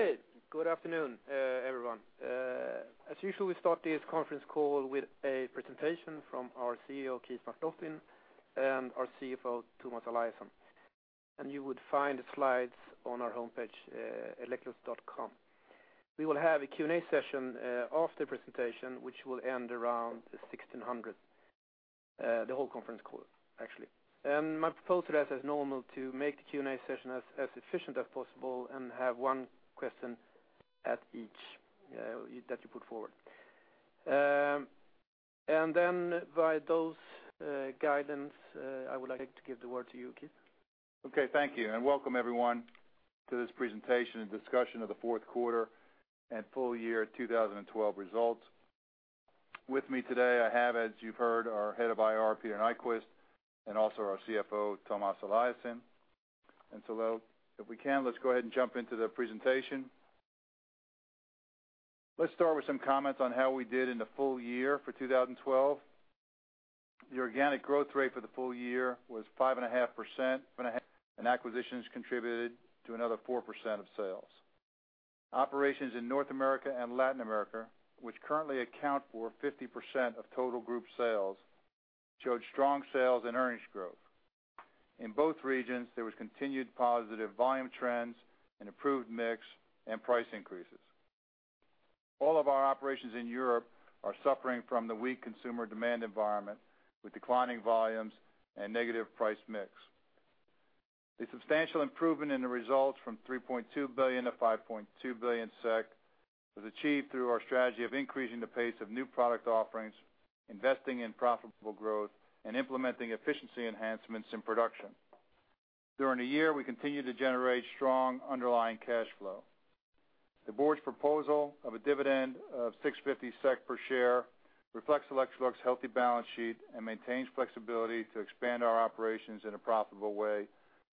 Okay, good afternoon, everyone. As usual, we start this conference call with a presentation from our CEO, Keith McLoughlin, and our CFO, Tomas Eliasson. You would find the slides on our homepage, Electrolux.com. We will have a Q&A session after the presentation, which will end around 1600, the whole conference call, actually. My proposal as normal, to make the Q&A session as efficient as possible and have one question at each that you put forward. By those guidance, I would like to give the word to you, Keith. Okay, thank you. Welcome everyone to this presentation and discussion of the fourth quarter and full year 2012 results. With me today, I have, as you've heard, our Head of IR, Peter Nyquist, also our CFO, Tomas Eliasson. If we can, let's go ahead and jump into the presentation. Let's start with some comments on how we did in the full year for 2012. The organic growth rate for the full year was 5.5%. Acquisitions contributed to another 4% of sales. Operations in North America and Latin America, which currently account for 50% of total group sales, showed strong sales and earnings growth. In both regions, there was continued positive volume trends and improved mix and price increases. All of our operations in Europe are suffering from the weak consumer demand environment, with declining volumes and negative price mix. The substantial improvement in the results from 3.2 billion to 5.2 billion SEK was achieved through our strategy of increasing the pace of new product offerings, investing in profitable growth, and implementing efficiency enhancements in production. During the year, we continued to generate strong underlying cash flow. The board's proposal of a dividend of 6.50 SEK per share reflects Electrolux's healthy balance sheet and maintains flexibility to expand our operations in a profitable way,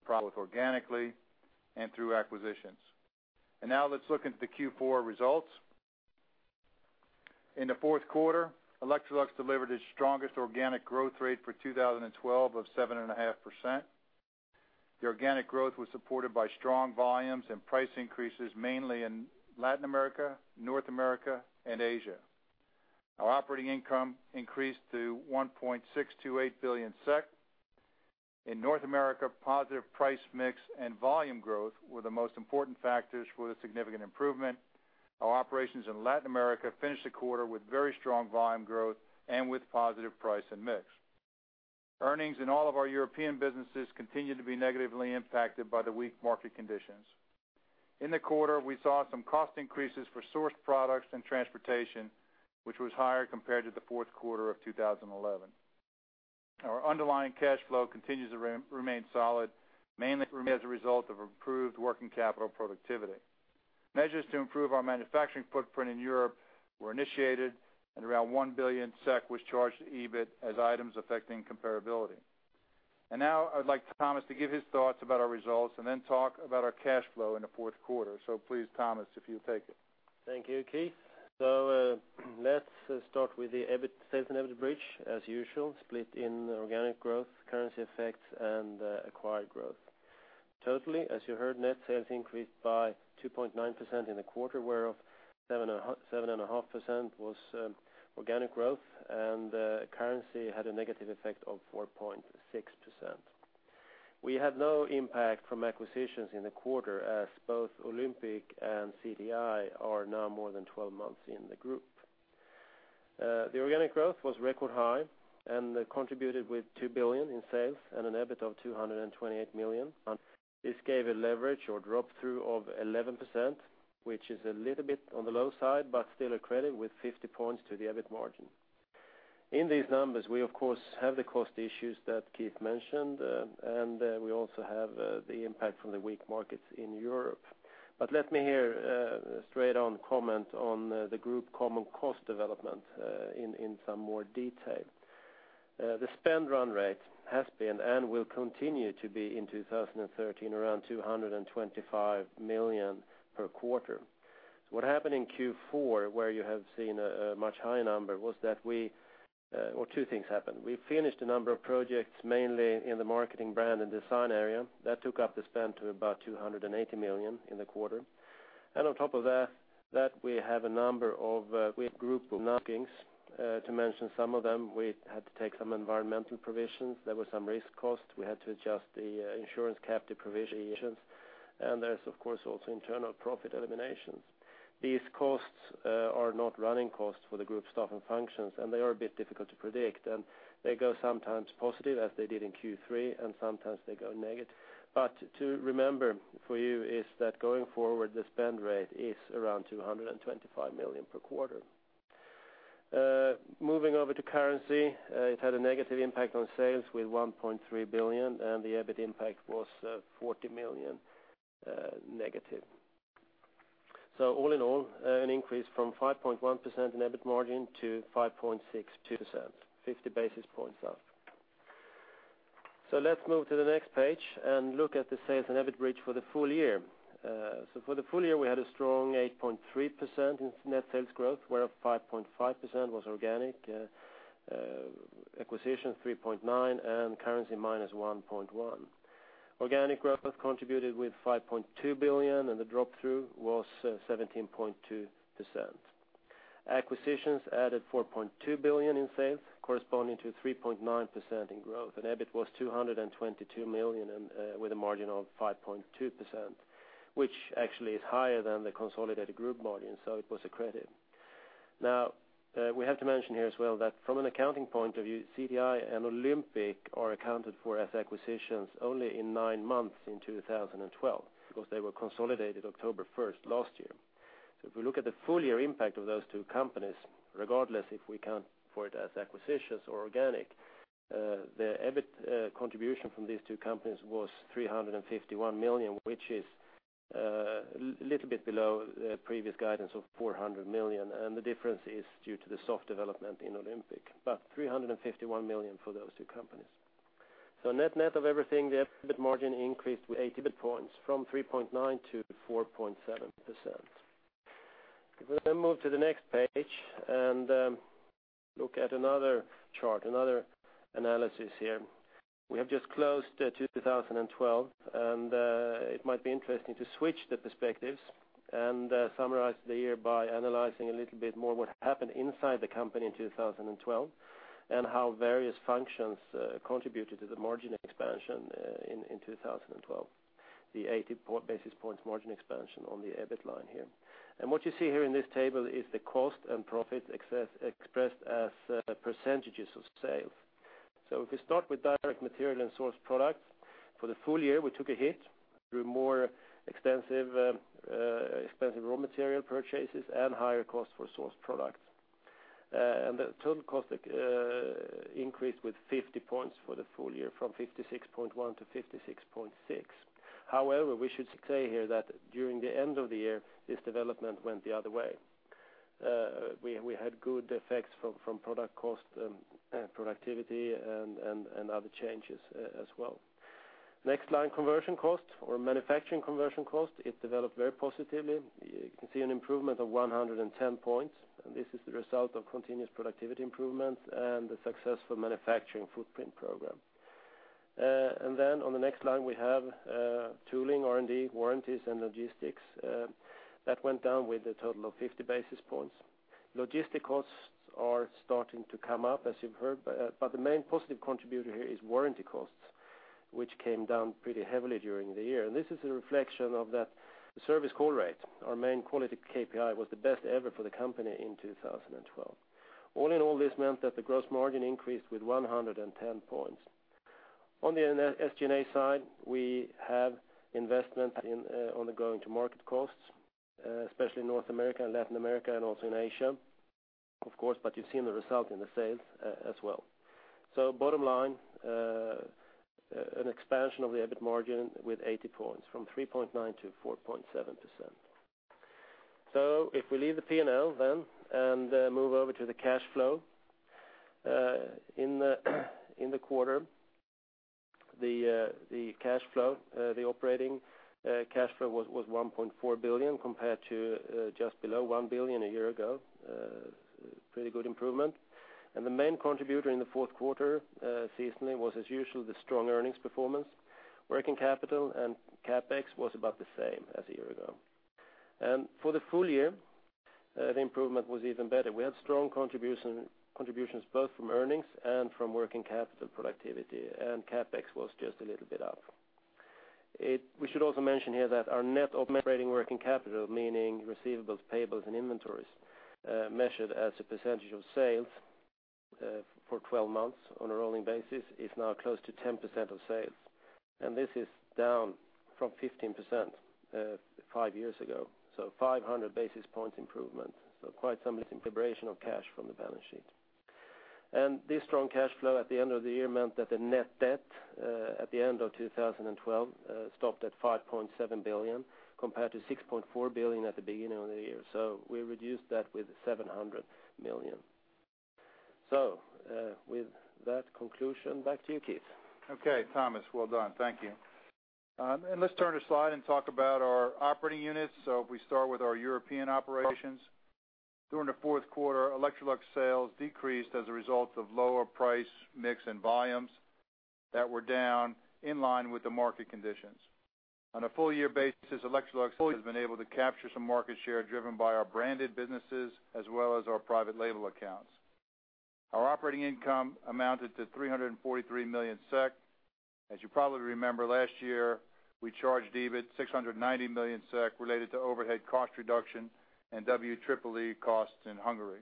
both organically and through acquisitions. Now let's look into the Q4 results. In the fourth quarter, Electrolux delivered its strongest organic growth rate for 2012 of 7.5%. The organic growth was supported by strong volumes and price increases, mainly in Latin America, North America, and Asia. Our operating income increased to 1.628 billion SEK. In North America, positive price mix and volume growth were the most important factors for the significant improvement. Our operations in Latin America finished the quarter with very strong volume growth and with positive price and mix. Earnings in all of our European businesses continued to be negatively impacted by the weak market conditions. In the quarter, we saw some cost increases for source products and transportation, which was higher compared to the fourth quarter of 2011. Our underlying cash flow continues to remain solid, mainly as a result of improved working capital productivity. Measures to improve our manufacturing footprint in Europe were initiated, around 1 billion SEK was charged to EBIT as items affecting comparability. Now I'd like Thomas to give his thoughts about our results and then talk about our cash flow in the fourth quarter. Please, Thomas, if you take it. Thank you, Keith. Let's start with the EBIT, sales and EBIT bridge, as usual, split in organic growth, currency effects, and acquired growth. Totally, as you heard, net sales increased by 2.9% in the quarter, whereof 7.5% was organic growth, and currency had a negative effect of 4.6%. We had no impact from acquisitions in the quarter, as both Olympic and CTI are now more than 12 months in the group. The organic growth was record high and contributed with 2 billion in sales and an EBIT of 228 million. This gave a leverage or drop through of 11%, which is a little bit on the low side, but still accredited with 50 points to the EBIT margin. In these numbers, we of course, have the cost issues that Keith mentioned, and we also have the impact from the weak markets in Europe. Let me hear straight on comment on the group common cost development in some more detail. The spend run rate has been and will continue to be in 2013, around 225 million per quarter. What happened in Q4, where you have seen a much higher number, was that. Well, two things happened. We finished a number of projects, mainly in the marketing brand and design area. That took up the spend to about 280 million in the quarter. On top of that, we have a number of, we have group bookings. To mention some of them, we had to take some environmental provisions. There were some risk costs. We had to adjust the insurance captive provision, and there's, of course, also internal profit eliminations. These costs are not running costs for the group staff and functions, and they are a bit difficult to predict, and they go sometimes positive, as they did in Q3, and sometimes they go negative. To remember for you is that going forward, the spend rate is around 225 million per quarter. Moving over to currency, it had a negative impact on sales with 1.3 billion, and the EBIT impact was 40 million negative. All in all, an increase from 5.1% in EBIT margin to 5.62%, 50 basis points up. Let's move to the next page and look at the sales and EBIT bridge for the full year. For the full year, we had a strong 8.3% in net sales growth, where 5.5% was organic. Acquisition 3.9% and currency -1.1%. Organic growth contributed with 5.2 billion, and the drop-through was 17.2%. Acquisitions added 4.2 billion in sales, corresponding to 3.9% in growth, and EBIT was 222 million and, with a margin of 5.2%, which actually is higher than the consolidated group margin, so it was a credit. We have to mention here as well that from an accounting point of view, CTI and Olympic are accounted for as acquisitions only in nine months in 2012, because they were consolidated October 1st last year. If we look at the full year impact of those two companies, regardless if we count for it as acquisitions or organic, the EBIT contribution from these two companies was 351 million, which is a little bit below the previous guidance of 400 million, and the difference is due to the soft development in Olympic, but 351 million for those two companies. Net-net of everything, the EBIT margin increased with 80 points, from 3.9 to 4.7%. We move to the next page and look at another chart, another analysis here. We have just closed 2012. It might be interesting to switch the perspectives and summarize the year by analyzing a little bit more what happened inside the company in 2012, and how various functions contributed to the margin expansion in 2012, the 80 basis points margin expansion on the EBIT line here. What you see here in this table is the cost and profit excess expressed as % of sales. If we start with direct material and source products, for the full year, we took a hit through more extensive, expensive raw material purchases and higher costs for source products. The total cost increased with 50 points for the full year, from 56.1 to 56.6. We should say here that during the end of the year, this development went the other way. We had good effects from product cost and productivity and other changes as well. Next line, conversion costs or manufacturing conversion cost, it developed very positively. You can see an improvement of 110 points, and this is the result of continuous productivity improvement and the successful manufacturing footprint program. On the next line, we have tooling, R&D, warranties, and logistics that went down with a total of 50 basis points. Logistic costs are starting to come up, as you've heard, but the main positive contributor here is warranty costs, which came down pretty heavily during the year. This is a reflection of that service call rate. Our main quality KPI was the best ever for the company in 2012. All in all, this meant that the gross margin increased with 110 points. On the SG&A side, we have investment in on the going to market costs, especially in North America and Latin America, and also in Asia, of course, but you've seen the result in the sales as well. Bottom line, an expansion of the EBIT margin with 80 points, from 3.9% to 4.7%. If we leave the P&L then and move over to the cash flow, in the quarter, the cash flow, the operating cash flow was 1.4 billion, compared to just below 1 billion a year ago. Pretty good improvement. The main contributor in the fourth quarter, seasonally, was, as usual, the strong earnings performance. Working capital and CapEx was about the same as a year ago. For the full year, the improvement was even better. We had strong contributions, both from earnings and from working capital productivity, and CapEx was just a little bit up. We should also mention here that our net operating working capital, meaning receivables, payables, and inventories, measured as a percentage of sales, for 12 months on a rolling basis, is now close to 10% of sales. This is down from 15%, five years ago, so 500 basis points improvement. Quite some liberation of cash from the balance sheet. This strong cash flow at the end of the year meant that the net debt, at the end of 2012, stopped at 5.7 billion, compared to 6.4 billion at the beginning of the year. We reduced that with 700 million. With that conclusion, back to you, Keith. Okay, Tomas, well done. Thank you. Let's turn the slide and talk about our operating units. If we start with our European operations, during the fourth quarter, Electrolux sales decreased as a result of lower price, mix, and volumes that were down in line with the market conditions. On a full year basis, Electrolux has been able to capture some market share, driven by our branded businesses as well as our private label accounts. Our operating income amounted to 343 million SEK. As you probably remember, last year, we charged EBIT 690 million SEK related to overhead cost reduction and WEEE costs in Hungary.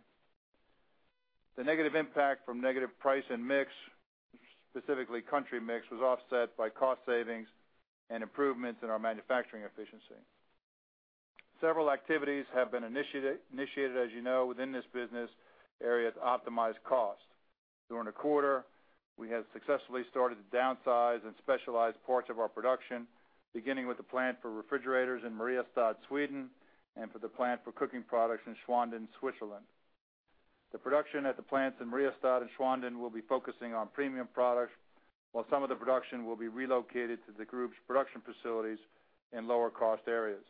The negative impact from negative price and mix, specifically country mix, was offset by cost savings and improvements in our manufacturing efficiency. Several activities have been initiated, as you know, within this business area to optimize costs. During the quarter, we have successfully started to downsize and specialize parts of our production, beginning with the plant for refrigerators in Mariestad, Sweden, and for the plant for cooking products in Schwanden, Switzerland. The production at the plants in Mariestad and Schwanden will be focusing on premium products, while some of the production will be relocated to the group's production facilities in lower-cost areas.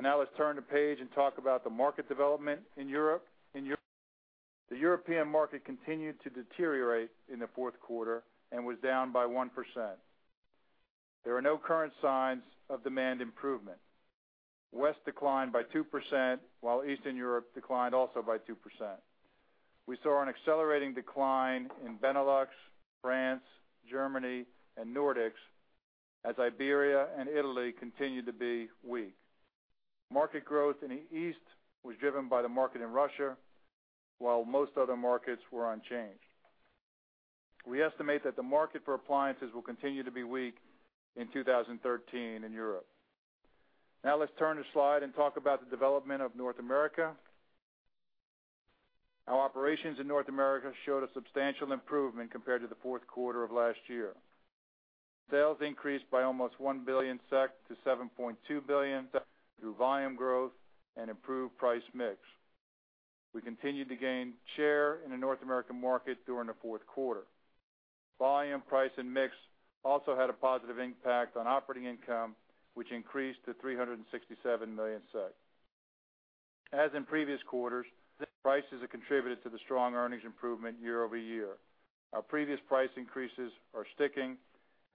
Now let's turn the page and talk about the market development in Europe. In Europe, the European market continued to deteriorate in the fourth quarter and was down by 1%. There are no current signs of demand improvement. West declined by 2%, while Eastern Europe declined also by 2%. We saw an accelerating decline in Benelux, France, Germany, and Nordics, as Iberia and Italy continued to be weak. Market growth in the East was driven by the market in Russia, while most other markets were unchanged. We estimate that the market for appliances will continue to be weak in 2013 in Europe. Let's turn the slide and talk about the development of North America. Our operations in North America showed a substantial improvement compared to the fourth quarter of last year. Sales increased by almost 1 billion SEK to 7.2 billion through volume growth and improved price mix. We continued to gain share in the North American market during the fourth quarter. Volume, price, and mix also had a positive impact on operating income, which increased to 367 million SEK. As in previous quarters, prices have contributed to the strong earnings improvement year-over-year. Our previous price increases are sticking,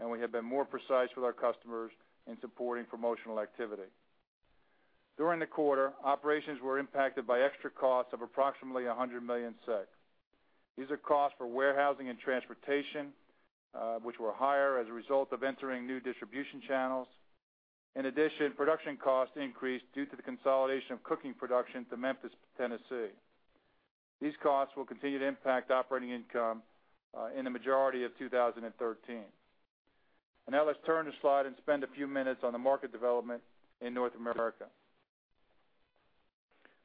we have been more precise with our customers in supporting promotional activity. During the quarter, operations were impacted by extra costs of approximately 100 million. These are costs for warehousing and transportation, which were higher as a result of entering new distribution channels. In addition, production costs increased due to the consolidation of cooking production to Memphis, Tennessee. These costs will continue to impact operating income in the majority of 2013. Now let's turn the slide and spend a few minutes on the market development in North America.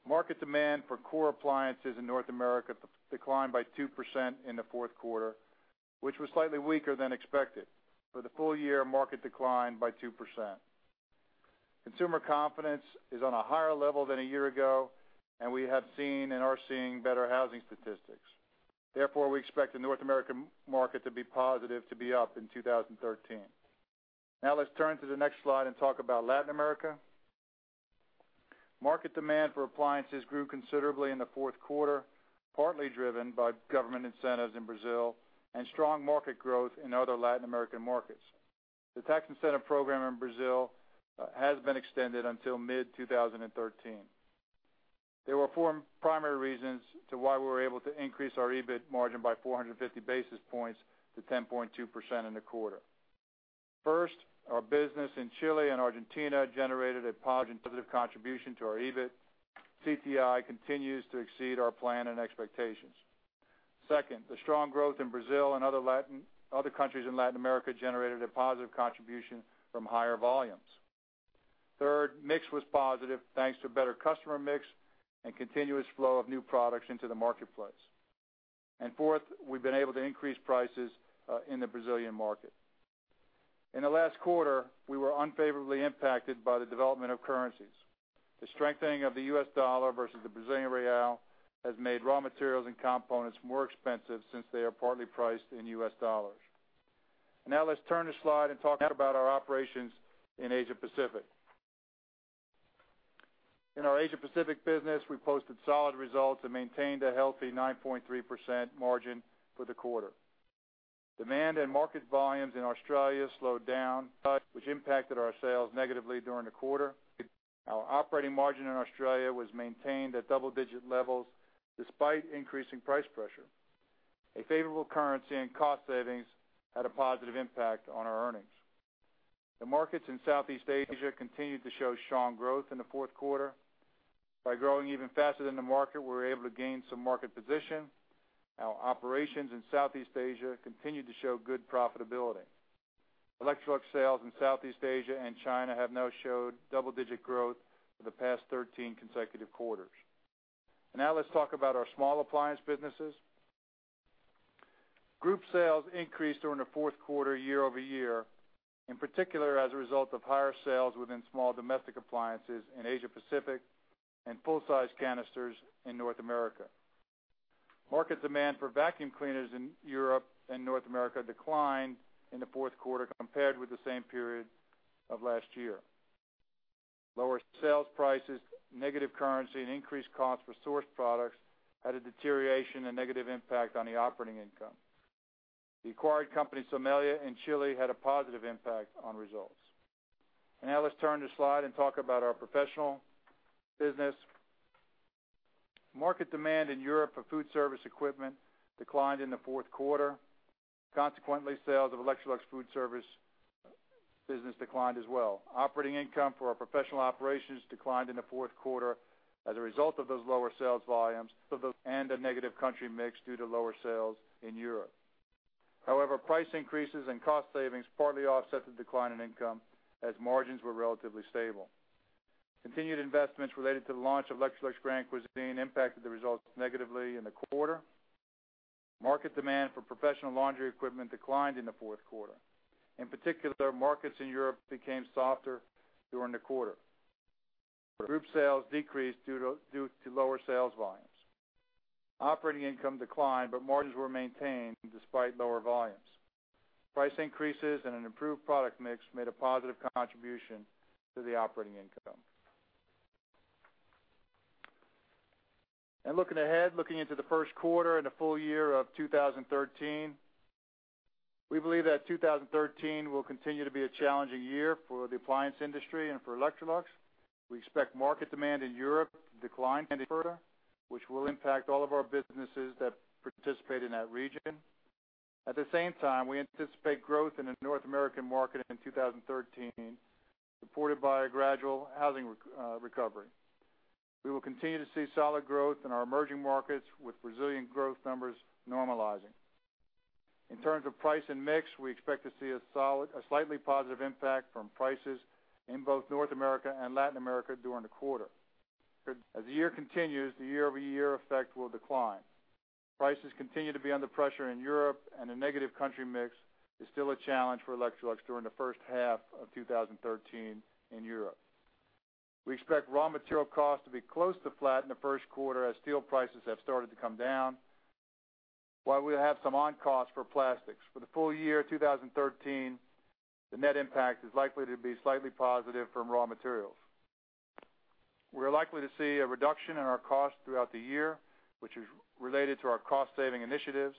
Market demand for core appliances in North America declined by 2% in the fourth quarter, which was slightly weaker than expected. For the full year, market declined by 2%. Consumer confidence is on a higher level than a year ago. We have seen and are seeing better housing statistics. Therefore, we expect the North American market to be positive, to be up in 2013. Now let's turn to the next slide and talk about Latin America. Market demand for appliances grew considerably in the fourth quarter, partly driven by government incentives in Brazil and strong market growth in other Latin American markets. The tax incentive program in Brazil has been extended until mid-2013. There were four primary reasons to why we were able to increase our EBIT margin by 450 basis points to 10.2% in the quarter. First, our business in Chile and Argentina generated a positive contribution to our EBIT. CTI continues to exceed our plan and expectations. Second, the strong growth in Brazil and other countries in Latin America generated a positive contribution from higher volumes. Third, mix was positive, thanks to better customer mix and continuous flow of new products into the marketplace. Fourth, we've been able to increase prices in the Brazilian market. In the last quarter, we were unfavorably impacted by the development of currencies. The strengthening of the US dollar versus the Brazilian real has made raw materials and components more expensive since they are partly priced in US dollars. Now let's turn the slide and talk about our operations in Asia Pacific. In our Asia Pacific business, we posted solid results and maintained a healthy 9.3% margin for the quarter. Demand and market volumes in Australia slowed down, which impacted our sales negatively during the quarter. Our operating margin in Australia was maintained at double-digit levels despite increasing price pressure. A favorable currency and cost savings had a positive impact on our earnings. The markets in Southeast Asia continued to show strong growth in the fourth quarter. By growing even faster than the market, we were able to gain some market position. Our operations in Southeast Asia continued to show good profitability. Electrolux sales in Southeast Asia and China have now showed double-digit growth for the past 13 consecutive quarters. Let's talk about our small appliance businesses. Group sales increased during the fourth quarter, year-over-year, in particular, as a result of higher sales within small domestic appliances in Asia Pacific and full-size canisters in North America. Market demand for vacuum cleaners in Europe and North America declined in the fourth quarter compared with the same period of last year. Lower sales prices, negative currency, and increased costs for source products had a deterioration and negative impact on the operating income. The acquired company, Somela in Chile, had a positive impact on results. Now let's turn the slide and talk about our professional business. Market demand in Europe for food service equipment declined in the fourth quarter. Consequently, sales of Electrolux food service business declined as well. Operating income for our professional operations declined in the fourth quarter as a result of those lower sales volumes and a negative country mix due to lower sales in Europe. However, price increases and cost savings partly offset the decline in income as margins were relatively stable. Continued investments related to the launch of Electrolux Grand Cuisine impacted the results negatively in the quarter. Market demand for professional laundry equipment declined in the fourth quarter. In particular, markets in Europe became softer during the quarter. Group sales decreased due to lower sales volumes. Operating income declined, margins were maintained despite lower volumes. Price increases and an improved product mix made a positive contribution to the operating income. Looking ahead, looking into the first quarter and the full year of 2013, we believe that 2013 will continue to be a challenging year for the appliance industry and for Electrolux. We expect market demand in Europe to decline further, which will impact all of our businesses that participate in that region. At the same time, we anticipate growth in the North American market in 2013, supported by a gradual housing recovery. We will continue to see solid growth in our emerging markets, with resilient growth numbers normalizing. In terms of price and mix, we expect to see a slightly positive impact from prices in both North America and Latin America during the quarter. As the year continues, the year-over-year effect will decline. Prices continue to be under pressure in Europe, and a negative country mix is still a challenge for Electrolux during the first half of 2013 in Europe. We expect raw material costs to be close to flat in the first quarter as steel prices have started to come down, while we'll have some on-cost for plastics. For the full year 2013, the net impact is likely to be slightly positive from raw materials. We're likely to see a reduction in our costs throughout the year, which is related to our cost-saving initiatives.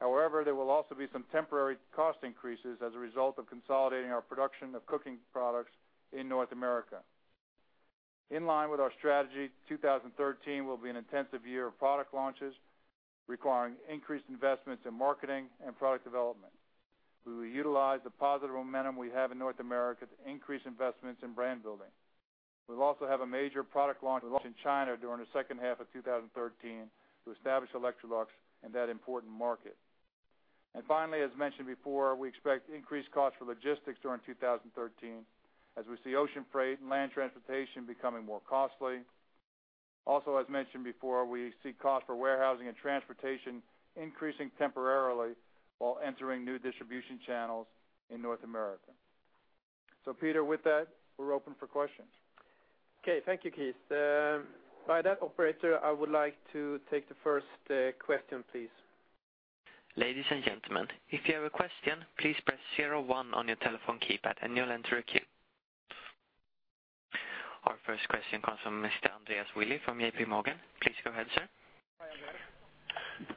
However, there will also be some temporary cost increases as a result of consolidating our production of cooking products in North America. In line with our strategy, 2013 will be an intensive year of product launches, requiring increased investments in marketing and product development. We will utilize the positive momentum we have in North America to increase investments in brand building. We'll also have a major product launch in China during the second half of 2013 to establish Electrolux in that important market. Finally, as mentioned before, we expect increased costs for logistics during 2013 as we see ocean freight and land transportation becoming more costly. Also, as mentioned before, we see costs for warehousing and transportation increasing temporarily while entering new distribution channels in North America. Peter, with that, we're open for questions. Okay, thank you, Keith. By that Operator, I would like to take the first question, please. Ladies and gentlemen, if you have a question, please press 01 on your telephone keypad. You'll enter a queue. Our first question comes from Mr. Andreas Willi from JPMorgan. Please go ahead, sir.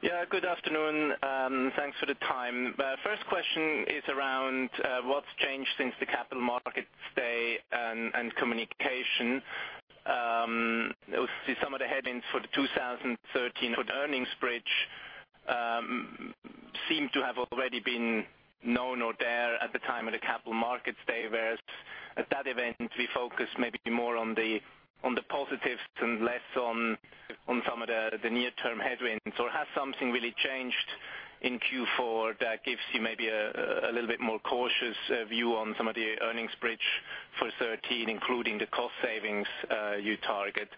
Yeah, good afternoon, and thanks for the time. First question is around what's changed since the Capital Markets Day and communication. Some of the headings for the 2013 earnings bridge seem to have already been known or there at the time of the Capital Markets Day, whereas at that event, we focused maybe more on the positives and less on some of the near-term headwinds. Has something really changed in Q4 that gives you maybe a little bit more cautious view on some of the earnings bridge for 2013, including the cost savings you target?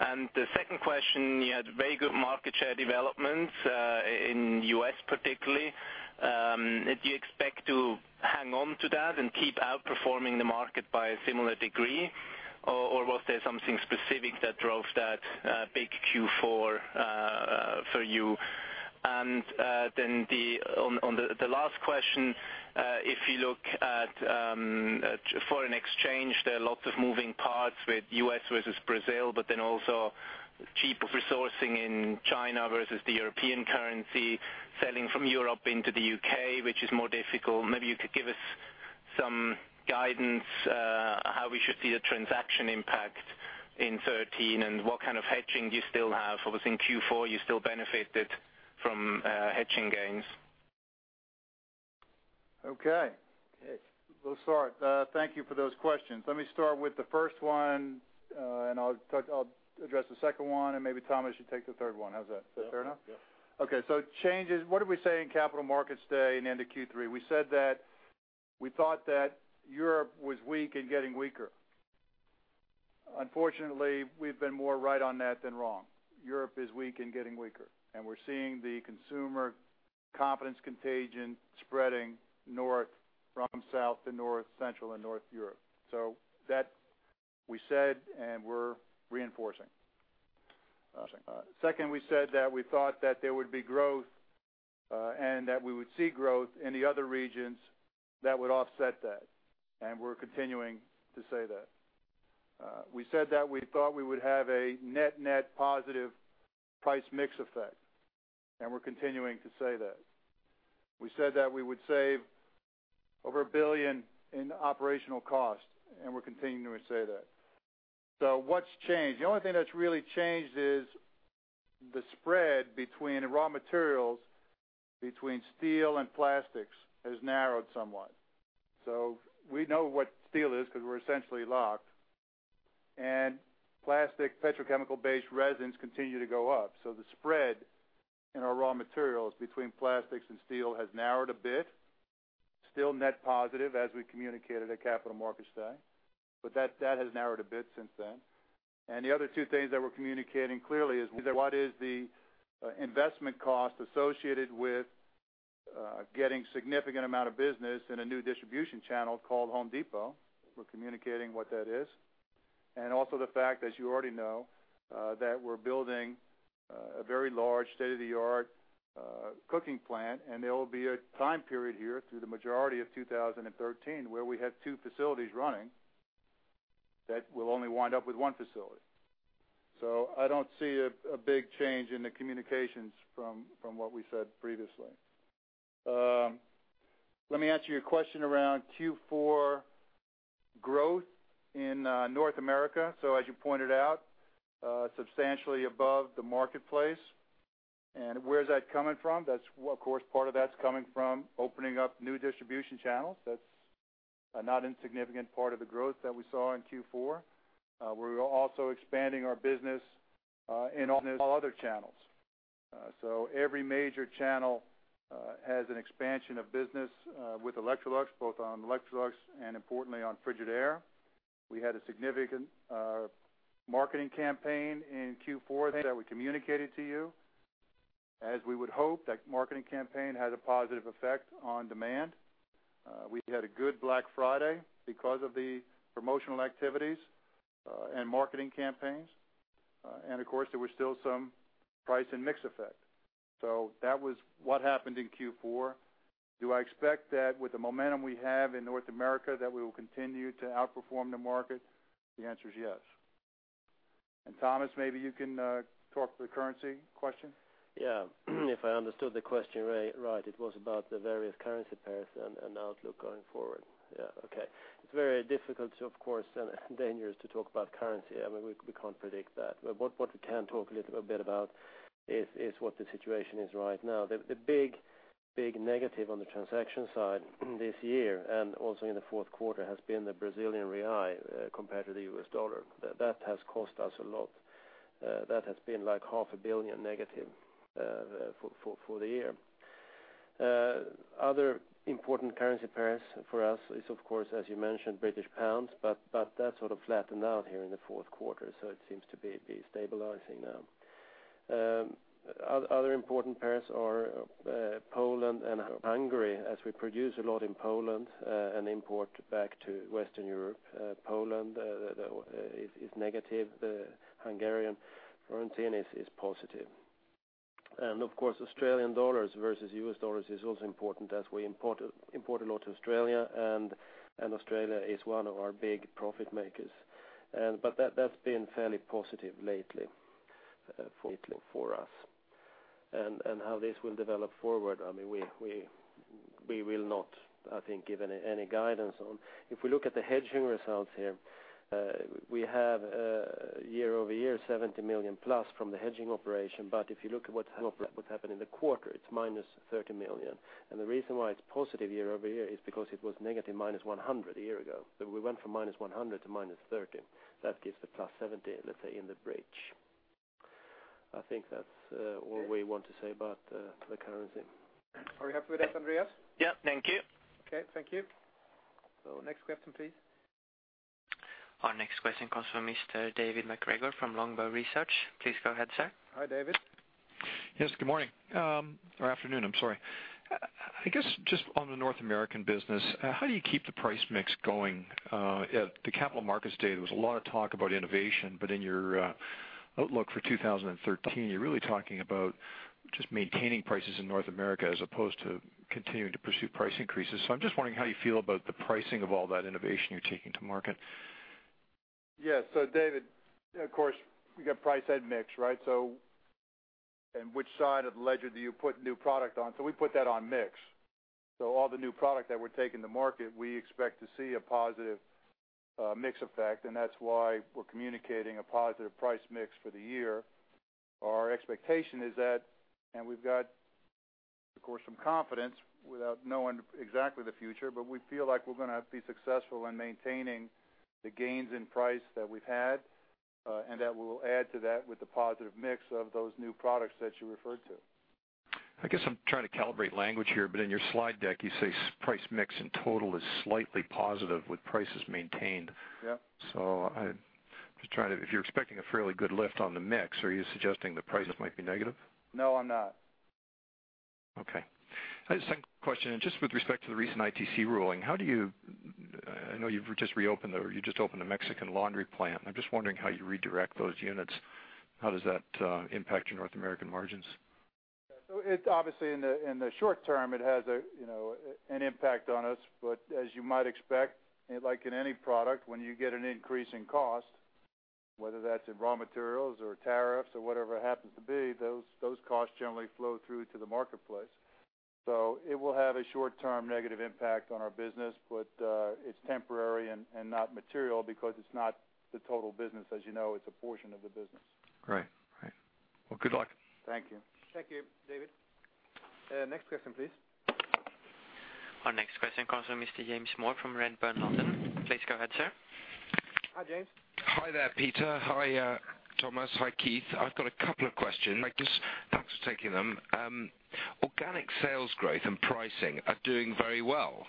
The second question, you had very good market share developments in U.S., particularly. Do you expect to hang on to that and keep outperforming the market by a similar degree, or was there something specific that drove that big Q4 for you? On the last question, if you look at foreign exchange, there are lots of moving parts with U.S. versus Brazil, but then also cheap resourcing in China versus the European currency, selling from Europe into the U.K., which is more difficult. Maybe you could give us some guidance how we should see the transaction impact in 2013, and what kind of hedging do you still have? Obviously, in Q4, you still benefited from hedging gains. Okay. Okay. We'll start. Thank you for those questions. Let me start with the first one, and I'll address the second one, and maybe Tomas should take the third one. How's that? Is that fair enough? Yeah. Changes. What did we say in Capital Markets Day and end of Q3? We said that we thought that Europe was weak and getting weaker. Unfortunately, we've been more right on that than wrong. Europe is weak and getting weaker, and we're seeing the consumer confidence contagion spreading north, from south to north, central and north Europe. That we said, and we're reinforcing. Second, we said that we thought that there would be growth, and that we would see growth in the other regions that would offset that, and we're continuing to say that. We said that we thought we would have a net/net positive price mix effect, and we're continuing to say that. We said that we would save over 1 billion in operational costs, and we're continuing to say that. What's changed? The only thing that's really changed is the spread between raw materials, between steel and plastics, has narrowed somewhat. We know what steel is because we're essentially locked, and plastic petrochemical-based resins continue to go up. The spread in our raw materials between plastics and steel has narrowed a bit. Still net positive, as we communicated at Capital Markets Day, but that has narrowed a bit since then. The other two things that we're communicating clearly is what is the investment cost associated with getting significant amount of business in a new distribution channel called Home Depot. We're communicating what that is, and also the fact, as you already know, that we're building a very large state-of-the-art cooking plant, and there will be a time period here through the majority of 2013, where we have 2 facilities running, that we'll only wind up with 1 facility. I don't see a big change in the communications from what we said previously. Let me answer your question around Q4 growth in North America. As you pointed out, substantially above the marketplace. Where is that coming from? That's, well, of course, part of that's coming from opening up new distribution channels. That's a not insignificant part of the growth that we saw in Q4. We're also expanding our business in all other channels. Every major channel has an expansion of business with Electrolux, both on Electrolux and importantly, on Frigidaire. We had a significant marketing campaign in Q4 that we communicated to you. As we would hope, that marketing campaign has a positive effect on demand. We had a good Black Friday because of the promotional activities and marketing campaigns. Of course, there were still some price and mix effect. That was what happened in Q4. Do I expect that with the momentum we have in North America, that we will continue to outperform the market? The answer is yes. Thomas, maybe you can talk to the currency question. Yeah. If I understood the question right, it was about the various currency pairs and outlook going forward. Yeah, okay. It's very difficult, of course, and dangerous to talk about currency. I mean, we can't predict that. What we can talk a little bit about is what the situation is right now. The big negative on the transaction side this year, and also in the fourth quarter, has been the Brazilian real compared to the US dollar. That has cost us a lot. That has been like half a billion SEK negative for the year. Other important currency pairs for us is, of course, as you mentioned, British pounds, but that sort of flattened out here in the fourth quarter, so it seems to be stabilizing now. Other important pairs are Poland and Hungary, as we produce a lot in Poland, and import back to Western Europe. Poland is negative. The Hungarian forint is positive. Of course, Australian dollars versus US dollars is also important as we import a lot to Australia, and Australia is one of our big profit makers. That's been fairly positive lately for us. How this will develop forward, I mean, we will not, I think, give any guidance on. If we look at the hedging results here, we have year-over-year, 70 million plus from the hedging operation. If you look at what's happened in the quarter, it's minus 30 million. The reason why it's positive year-over-year is because it was negative -100 a year ago. We went from -100 to -30. That gives the +70, let's say, in the bridge. I think that's all we want to say about the currency. Are you happy with that, Andreas? Yeah, thank you. Okay, thank you. Next question, please. Our next question comes from Mr. David MacGregor from Longbow Research. Please go ahead, sir. Hi, David. Yes, good morning. Or afternoon, I'm sorry. I guess, just on the North American business, how do you keep the price mix going? At the Capital Markets Day, there was a lot of talk about innovation, but in your outlook for 2013, you're really talking about just maintaining prices in North America as opposed to continuing to pursue price increases. I'm just wondering how you feel about the pricing of all that innovation you're taking to market? Yes. David, of course, we got price and mix, right? Which side of the ledger do you put new product on? We put that on mix. All the new product that we're taking to market, we expect to see a positive mix effect, and that's why we're communicating a positive price mix for the year. Our expectation is that, and we've got, of course, some confidence without knowing exactly the future, but we feel like we're going to be successful in maintaining the gains in price that we've had, and that we'll add to that with the positive mix of those new products that you referred to. I guess I'm trying to calibrate language here. In your slide deck, you say price mix in total is slightly positive with prices maintained. Yeah. If you're expecting a fairly good lift on the mix, are you suggesting the prices might be negative? No, I'm not. Okay. I had a second question, just with respect to the recent ITC ruling. I know you just opened a Mexican laundry plant. I'm just wondering how you redirect those units. How does that impact your North American margins? It obviously, in the short term, it has a, you know, an impact on us. As you might expect, like in any product, when you get an increase in cost, whether that's in raw materials or tariffs or whatever it happens to be, those costs generally flow through to the marketplace. It will have a short-term negative impact on our business, but, it's temporary and not material because it's not the total business, as you know, it's a portion of the business. Right. Well, good luck. Thank you. Thank you, David. Next question, please. Our next question comes from Mr. James Moore from Redburn London. Please go ahead, sir. Hi, James. Hi there, Peter. Hi, Tomas. Hi, Keith. I've got a couple of questions. Thanks for taking them. Organic sales growth and pricing are doing very well.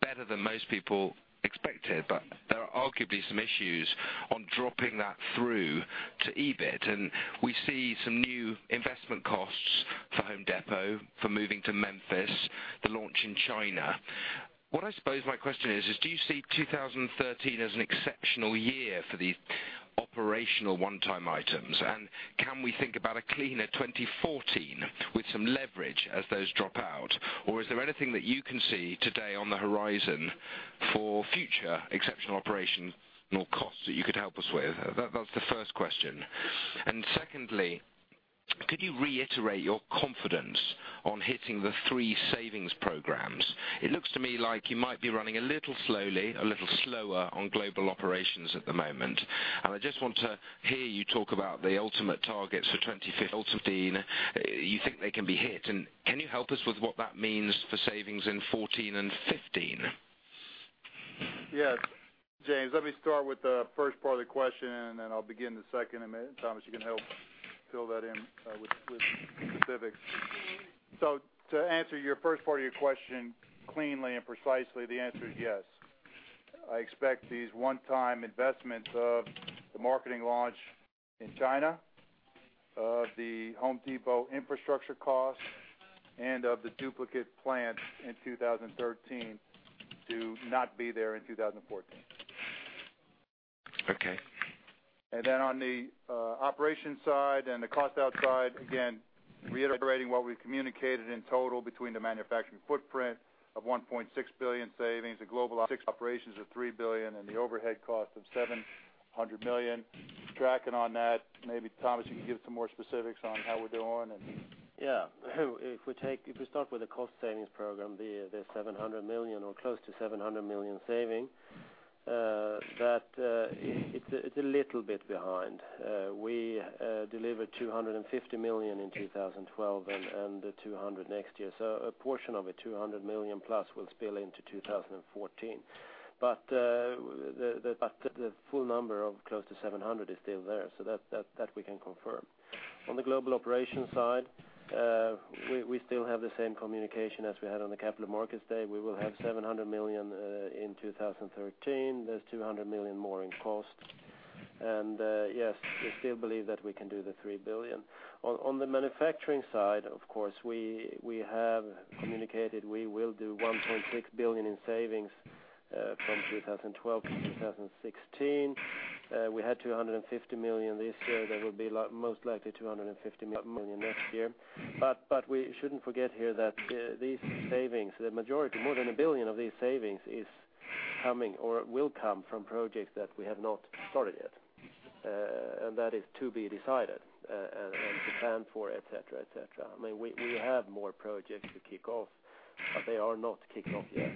Better than most people expected, but there are arguably some issues on dropping that through to EBIT. We see some new investment costs for Home Depot, for moving to Memphis, the launch in China. What I suppose my question is do you see 2013 as an exceptional year for these operational one-time items? Can we think about a cleaner 2014 with some leverage as those drop out? Or is there anything that you can see today on the horizon for future exceptional operational costs that you could help us with? That's the first question. Secondly, could you reiterate your confidence on hitting the three savings programs? It looks to me like you might be running a little slowly, a little slower on global operations at the moment. I just want to hear you talk about the ultimate targets for 2015. You think they can be hit, and can you help us with what that means for savings in 2014 and 2015? Yes, James, let me start with the first part of the question, and then I'll begin the second in a minute. Tomas, you can help fill that in with specifics. To answer your first part of your question cleanly and precisely, the answer is yes. I expect these one-time investments of the marketing launch in China, of The Home Depot infrastructure costs, and of the duplicate plants in 2013 to not be there in 2014. Okay. On the operations side and the cost outside, again, reiterating what we've communicated in total between the manufacturing footprint of 1.6 billion savings, the global operations of 3 billion, and the overhead cost of 700 million. Tracking on that, maybe, Tomas, you can give some more specifics on how we're doing. If we start with the cost savings program, the 700 million or close to 700 million saving that it's a little bit behind. We delivered 250 million in 2012, and 200 next year. A portion of it, 200 million-plus, will spill into 2014. The full number of close to 700 is still there, so that we can confirm. On the global operations side, we still have the same communication as we had on the Capital Markets Day. We will have 700 million in 2013. There's 200 million more in cost. Yes, we still believe that we can do the 3 billion. On the manufacturing side, of course, we have communicated we will do 1.6 billion in savings, from 2012 to 2016. We had 250 million this year. There will be like most likely 250 million next year. We shouldn't forget here that, these savings, the majority, more than 1 billion of these savings, is coming or will come from projects that we have not started yet. That is to be decided, and to plan for, et cetera, et cetera. I mean, we have more projects to kick off, but they are not kicking off yet.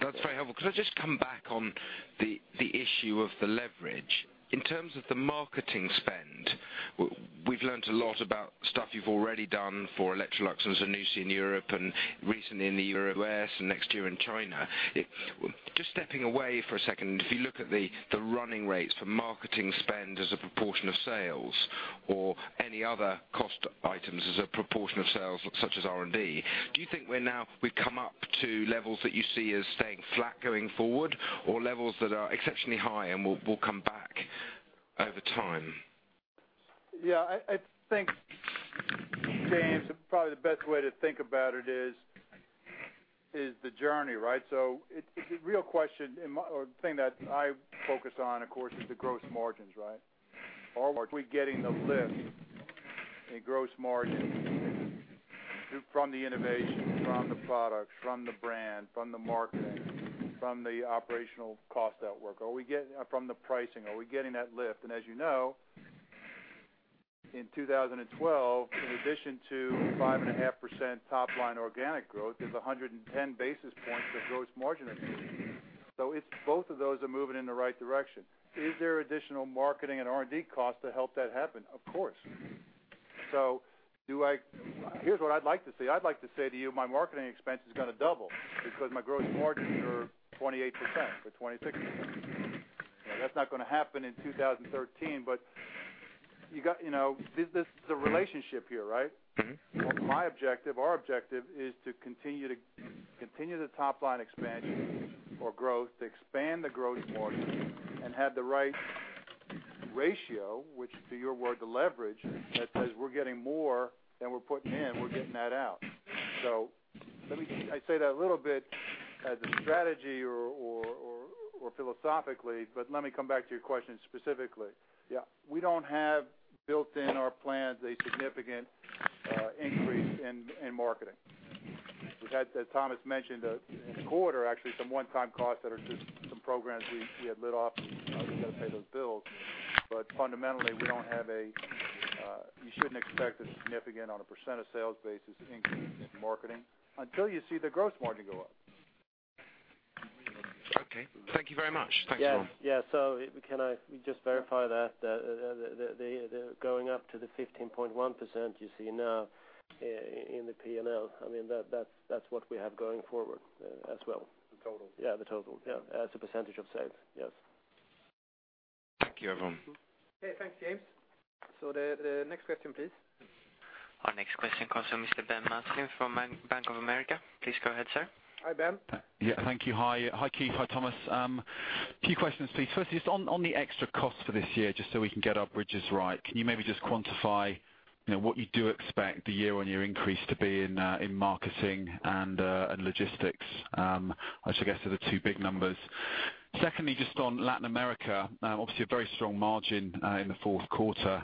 That's very helpful. Could I just come back on the issue of the leverage? In terms of the marketing spend, we've learned a lot about stuff you've already done for Electrolux and Zanussi in Europe and recently in the U.S. and next year in China. Just stepping away for a second, if you look at the running rates for marketing spend as a proportion of sales or any other cost items as a proportion of sales, such as R&D, do you think we're now, we've come up to levels that you see as staying flat going forward, or levels that are exceptionally high and will come back over time? I think, James, probably the best way to think about it is the journey, right? It's, the real question or the thing that I focus on, of course, is the gross margins, right? Are we getting the lift in gross margin from the innovation, from the products, from the brand, from the marketing, from the operational cost outwork? Are we getting... From the pricing, are we getting that lift? As you know, in 2012, in addition to 5.5% top-line organic growth, there's 110 basis points of gross margin improvement. It's both of those are moving in the right direction. Is there additional marketing and R&D costs to help that happen? Of course. Here's what I'd like to say. I'd like to say to you, my marketing expense is going to double because my gross margins are 28% or 26%. That's not going to happen in 2013, but you got, you know, this is a relationship here, right? Mm-hmm. Well, my objective, our objective, is to continue the top-line expansion or growth, to expand the gross margin, and have the right ratio, which to your word, the leverage, that says we're getting more than we're putting in, we're getting that out. Let me, I say that a little bit as a strategy or philosophically, but let me come back to your question specifically. Yeah, we don't have built in our plans a significant increase in marketing. We've had, as Thomas mentioned, in the quarter, actually, some one-time costs that are just some programs we had lit off, and we got to pay those bills. Fundamentally, we don't have, you shouldn't expect a significant, on a % of sales basis, increase in marketing until you see the gross margin go up. Okay. Thank you very much. Thanks, Tom. Yes. Yeah. Can I just verify that, the going up to the 15.1% you see now in the P&L, I mean, that's what we have going forward as well. The total. Yeah, the total, yeah, as a percentage of sales, yes. Thank you, everyone. Okay, thanks, James. The next question, please. Our next question comes from Mr. Ben Maslen from Bank of America. Please go ahead, sir. Hi, Ben. Yeah, thank you. Hi. Hi, Keith. Hi, Tomas. A few questions, please. Firstly, just on the extra cost for this year, just so we can get our bridges right, can you maybe just quantify, you know, what you do expect the year-on-year increase to be in marketing and logistics? I should guess are the two big numbers. Secondly, just on Latin America, obviously a very strong margin in the fourth quarter.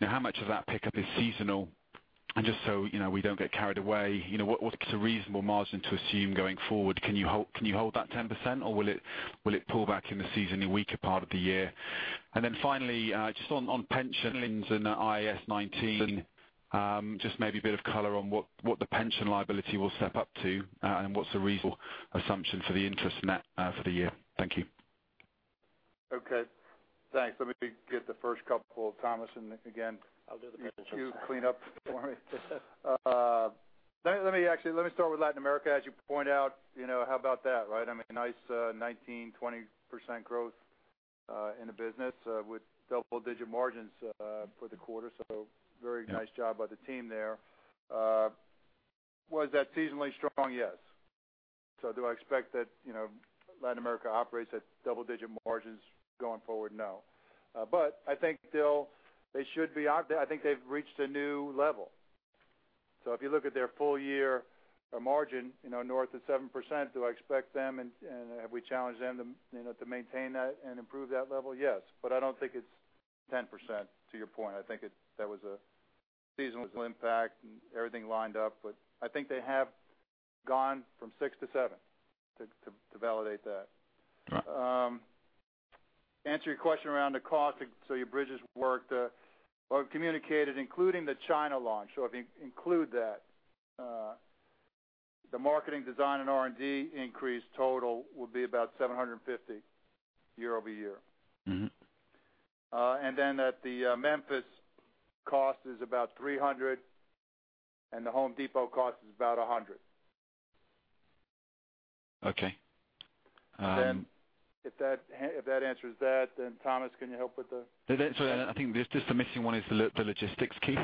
Now, how much of that pickup is seasonal? Just so, you know, we don't get carried away, you know, what's a reasonable margin to assume going forward? Can you hold that 10%, or will it pull back in the seasonally weaker part of the year? Finally, just on pensions and IAS 19, just maybe a bit of color on what the pension liability will step up to, and what's the reasonable assumption for the interest net, for the year? Thank you. Okay, thanks. Let me get the first couple, Tomas. I'll do the pensions. you clean up for me. Let me actually let me start with Latin America, as you point out, you know, how about that, right? I mean, nice, 19%, 20% growth in the business with double-digit margins for the quarter. Very nice job by the team there. Was that seasonally strong? Yes. Do I expect that, you know, Latin America operates at double-digit margins going forward? No. I think still they should be out there. I think they've reached a new level. If you look at their full year, or margin, you know, north of 7%, do I expect them and have we challenged them to, you know, to maintain that and improve that level? Yes, I don't think it's 10%, to your point. I think it. That was a seasonal impact, and everything lined up, but I think they have gone from six to seven, to validate that. Right. Answer your question around the cost, so your bridges work, or communicated, including the China launch. If you include that, the marketing, design, and R&D increase total would be about 750 year-over-year. Mm-hmm. Then at the Memphis cost is about 300. The Home Depot cost is about SEK 100. Okay. If that answers that, then, Tomas, can you help with? The answer, I think just the missing one is the logistics, Keith.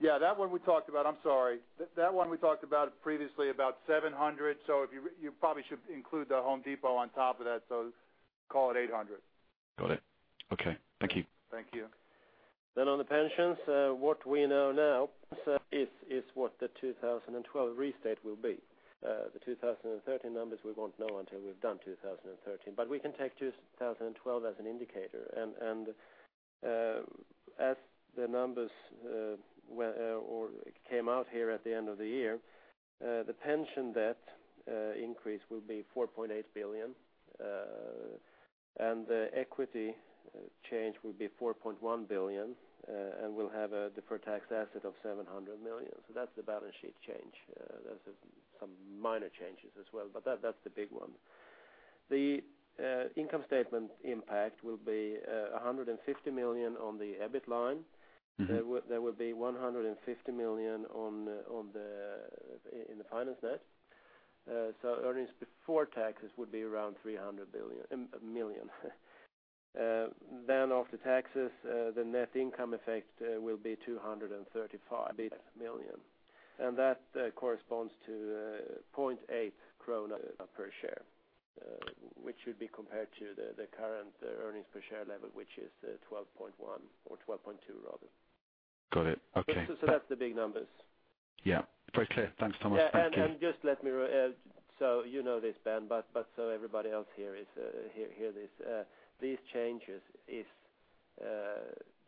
Yeah, that one we talked about. I'm sorry. That one we talked about previously, about 700. If you probably should include The Home Depot on top of that, so call it 800. Got it. Okay. Thank you. Thank you. On the pensions, what we know now, sir, is what the 2012 restate will be. The 2013 numbers we won't know until we've done 2013, but we can take 2012 as an indicator. As the numbers were or came out here at the end of the year, the pension debt increase will be 4.8 billion, and the equity change will be 4.1 billion, and we'll have a deferred tax asset of 700 million. That's the balance sheet change. There's some minor changes as well, but that's the big one. Income statement impact will be 150 million on the EBIT line. Mm-hmm. There will be 150 million on the finance net. Earnings before taxes would be around 300 million. After taxes, the net income effect will be 235 million. That corresponds to 0.8 krona per share, which should be compared to the current earnings per share level, which is 12.1 or 12.2, rather. Got it. Okay. That's the big numbers. Yeah, very clear. Thanks so much. Thank you. You know this, Ben, but so everybody else here is, hear this. These changes is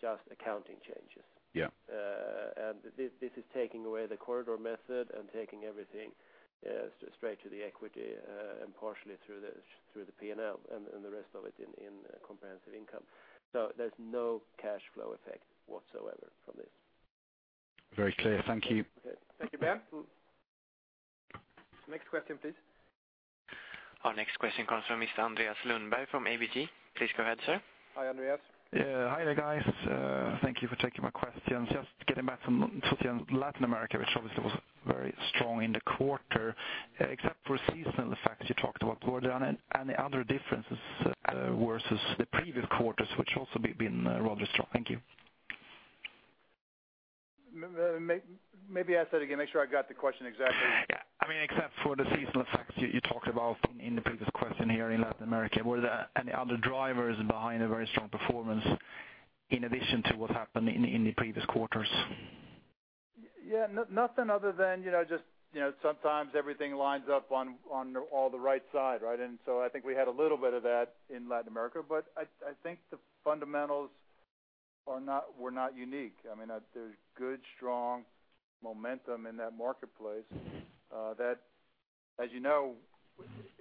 just accounting changes. Yeah. This is taking away the corridor method and taking everything straight to the equity, and partially through the P&L and the rest of it in comprehensive income. There's no cash flow effect whatsoever from this. Very clear. Thank you. Okay. Thank you, Ben. Next question, please. Our next question comes from Mr. Andreas Lundberg from ABG. Please go ahead, sir. Hi, Andreas. Hi there, guys. Thank you for taking my question. Just getting back from Latin America, which obviously was very strong in the quarter, except for seasonal effects you talked about quarter, any other differences versus the previous quarters, which also been, rather strong? Thank you. Maybe ask that again, make sure I got the question exactly. Yeah. I mean, except for the seasonal effects you talked about in the previous question here in Latin America, were there any other drivers behind a very strong performance in addition to what happened in the previous quarters? nothing other than, you know, just, you know, sometimes everything lines up on all the right side, right? I think we had a little bit of that in Latin America, but I think the fundamentals are not, were not unique. I mean, there's good, strong momentum in that marketplace, that, as you know,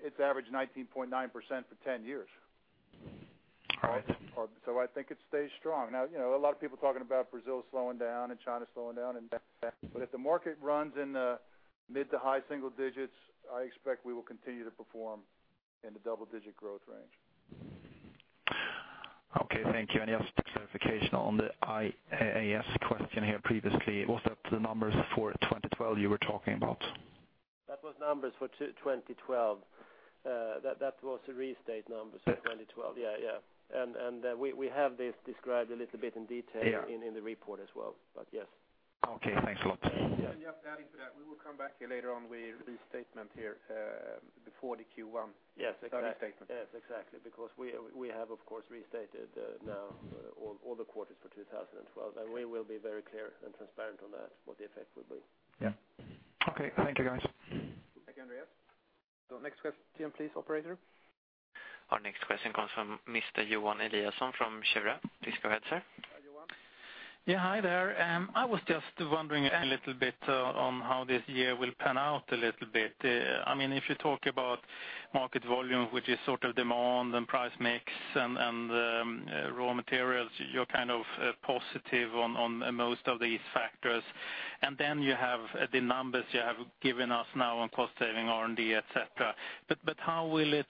it's averaged 19.9% for 10 years. All right. I think it stays strong. Now, you know, a lot of people talking about Brazil slowing down and China slowing down and If the market runs in the mid- to high single digits, I expect we will continue to perform in the double-digit growth range. Okay, thank you. Just clarification on the IAS question here previously, was that the numbers for 2012 you were talking about? Those numbers for 2012, that was a restate numbers for 2012. Yeah. we have this described a little bit in detail- Yeah. in the report as well, but yes. Okay, thanks a lot. Yeah, just adding to that, we will come back here later on with restatement here, before the Q1-. Yes. Restatement. Exactly. Because we have, of course, restated, now, all the quarters for 2012, and we will be very clear and transparent on that, what the effect will be. Yeah. Okay, thank you, guys. Thank you, Andreas. Next question, please, operator. Our next question comes from Mr. Johan Eliason from Schroders. Please go ahead, sir. Hi, Johan. Yeah, hi there. I was just wondering a little bit on how this year will pan out a little bit. I mean, if you talk about market volume, which is sort of demand and price mix and, raw materials, you're kind of positive on most of these factors. You have the numbers you have given us now on cost saving, R&D, et cetera. How will it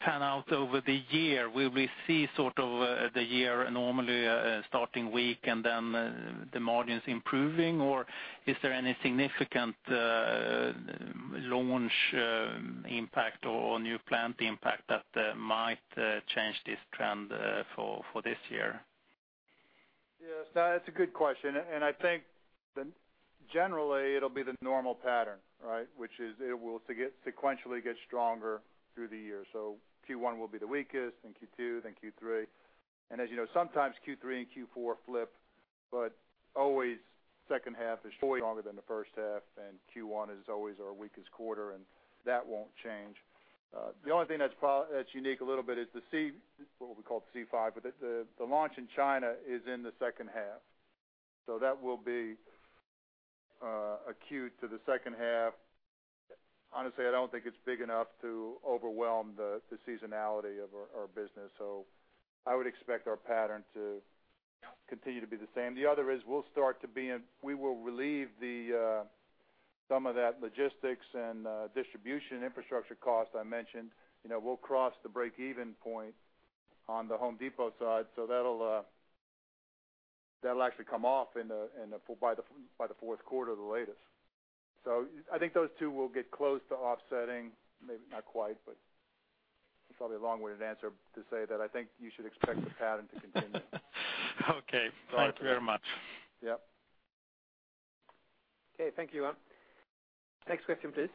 pan out over the year? Will we see sort of the year normally starting weak and then the margins improving, or is there any significant launch impact or new plant impact that might change this trend for this year? Yes, that's a good question, and I think generally, it'll be the normal pattern, right? Which is it will sequentially get stronger through the year. Q1 will be the weakest, then Q2, then Q3. As you know, sometimes Q3 and Q4 flip, but always second half is stronger than the first half, and Q1 is always our weakest quarter, and that won't change. The only thing that's unique a little bit is the C, what we call C5, but the launch in China is in the second half. That will be acute to the second half. Honestly, I don't think it's big enough to overwhelm the seasonality of our business, so I would expect our pattern to continue to be the same. The other is we'll start to be in. We will relieve the some of that logistics and distribution infrastructure cost I mentioned. You know, we'll cross the break-even point on the Home Depot side, so that'll actually come off in the by the fourth quarter at the latest. I think those two will get close to offsetting, maybe not quite, but it's probably a long-winded answer to say that I think you should expect the pattern to continue. Okay. Thank you very much. Yeah. Okay, thank you, Johan. Next question, please.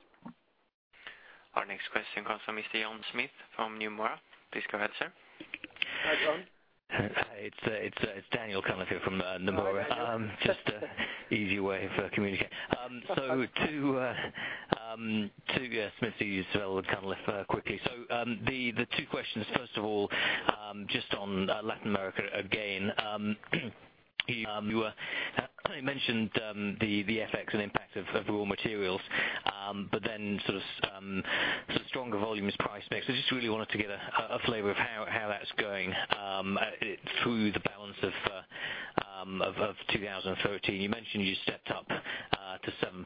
Our next question comes from Mr. Daniel Cunliffe from Nomura. Please go ahead, sir. Hi, Daniel. Hi, it's Daniel Cunliffe here from Nomura. Oh, Daniel. Just easy way for communicate. To Smith these, well, kind of quickly. The two questions, first of all, just on Latin America again. You were, you mentioned the effects and impact of raw materials, but then sort of stronger volumes, price mix. I just really wanted to get a flavor of how that's going through the balance of 2013. You mentioned you stepped up to 7%,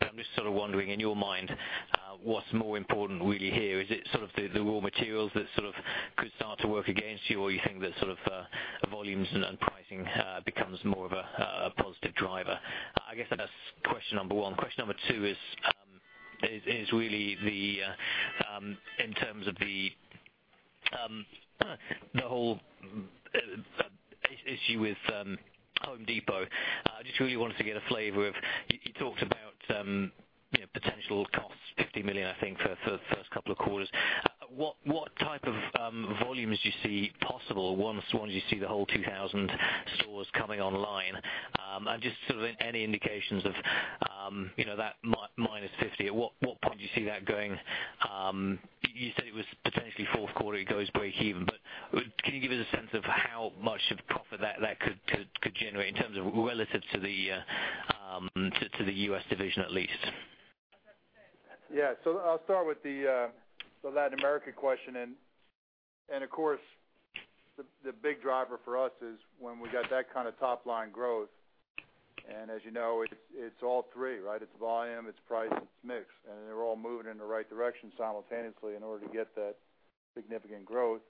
but I'm just sort of wondering, in your mind, what's more important really here? Is it sort of the raw materials that sort of could start to work against you, or you think that sort of volumes and pricing becomes more of a positive driver? I guess that's question number one. Question number two is really the in terms of the the whole issue with Home Depot. I just really wanted to get a flavor of, you talked about, you know, potential costs, $50 million, I think, for the first couple of quarters. What type of volumes do you see possible once you see the whole 2,000 stores coming online? Just sort of any indications of, you know, that -$50 million, at what point do you see that going? You said it was potentially fourth quarter, it goes breakeven, but can you give us a sense of how much of profit that could generate in terms of relative to the U.S. division at least? Yeah. I'll start with the Latin America question. Of course, the big driver for us is when we got that kind of top-line growth. As you know, it's all three, right? It's volume, it's price, it's mix. They're all moving in the right direction simultaneously in order to get that significant growth.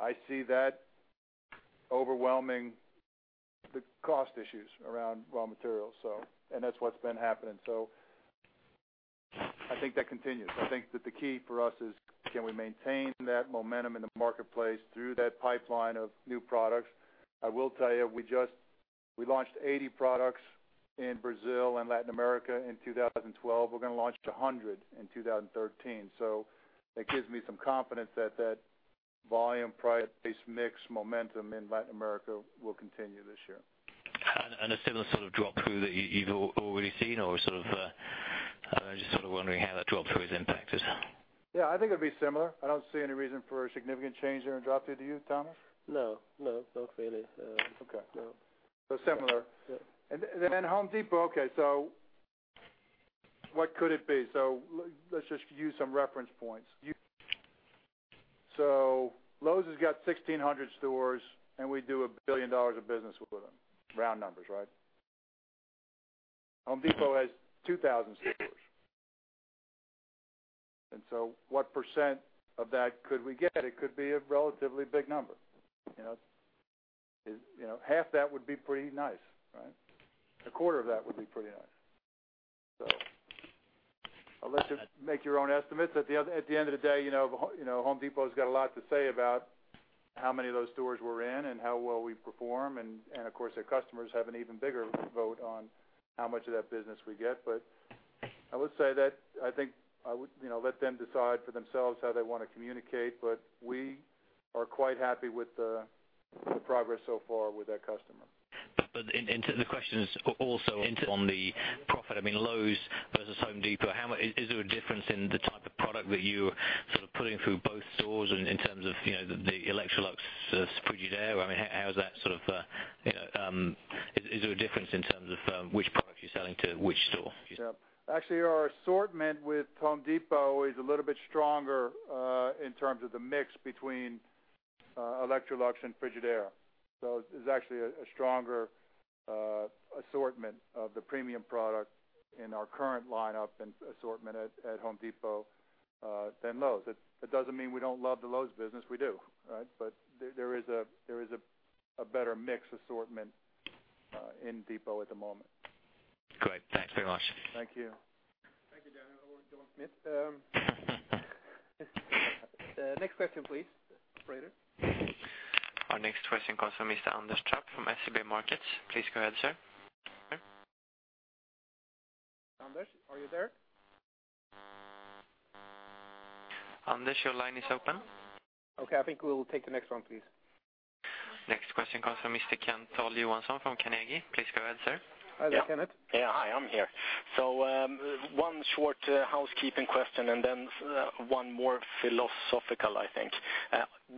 I see that overwhelming the cost issues around raw materials, so that's what's been happening. I think that continues. I think that the key for us is, can we maintain that momentum in the marketplace through that pipeline of new products? I will tell you, we launched 80 products in Brazil and Latin America in 2012. We're gonna launch 100 in 2013. That gives me some confidence that volume, price, mix, momentum in Latin America will continue this year. A similar sort of drop through that you've already seen, or sort of, I'm just sort of wondering how that drop through has impacted? Yeah, I think it'll be similar. I don't see any reason for a significant change there in drop through. Do you, Thomas? No, no, not really. Okay. No. Similar. Yeah. Home Depot, okay, so what could it be? Let's just use some reference points. Lowe's has got 1,600 stores, and we do $1 billion of business with them. Round numbers, right? Home Depot has 2,000 stores. What % of that could we get? It could be a relatively big number, you know? You know, half that would be pretty nice, right? A quarter of that would be pretty nice. I'll let you make your own estimates. At the end of the day, you know, you know, Home Depot's got a lot to say about how many of those stores we're in and how well we perform, and, of course, their customers have an even bigger vote on how much of that business we get. I would say that I think I would, you know, let them decide for themselves how they want to communicate, but we are quite happy with the progress so far with that customer. The question is also on the profit. I mean, Lowe's versus Home Depot, is there a difference in the type of product that you're sort of putting through both stores in terms of, you know, the Electrolux, Frigidaire? I mean, how is that sort of, you know, there a difference in terms of, which product you're selling to which store? Actually, our assortment with Home Depot is a little bit stronger, in terms of the mix between Electrolux and Frigidaire. There's actually a stronger assortment of the premium product in our current lineup and assortment at Home Depot than Lowe's. That doesn't mean we don't love the Lowe's business. We do, right? There, there is a, there is a better mix assortment in Depot at the moment. Great. Thanks very much. Thank you. Thank you, Daniel. Daniel Cunliffe. Next question, please, operator. Our next question comes from Mr. Anders Trapp from SEB Markets. Please go ahead, sir. Anders, are you there? Anders, your line is open. Okay, I think we'll take the next one, please. Next question comes from Mr. Kenneth Johansson from Carnegie. Please go ahead, sir. Hi, Kenneth. Yeah. Hi, I'm here. One short housekeeping question and then one more philosophical, I think.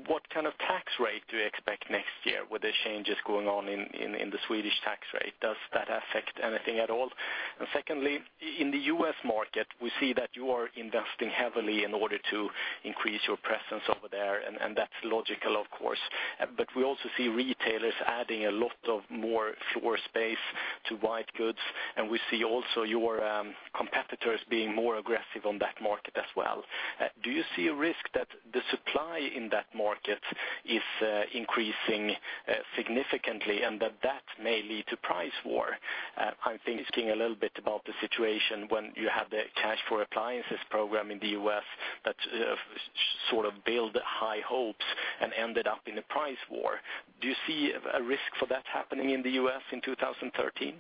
What kind of tax rate do you expect next year with the changes going on in the Swedish tax rate? Does that affect anything at all? Secondly, in the U.S. market, we see that you are investing heavily in order to increase your presence over there, and that's logical, of course. We also see retailers adding a lot of more floor space to white goods, and we see also your competitors being more aggressive on that market as well. Do you see a risk that the supply in that market is increasing significantly and that that may lead to price war? I'm thinking a little bit about the situation when you have the Cash for Appliances program in the U.S. that sort of build high hopes and ended up in a price war. Do you see a risk for that happening in the U.S. in 2013?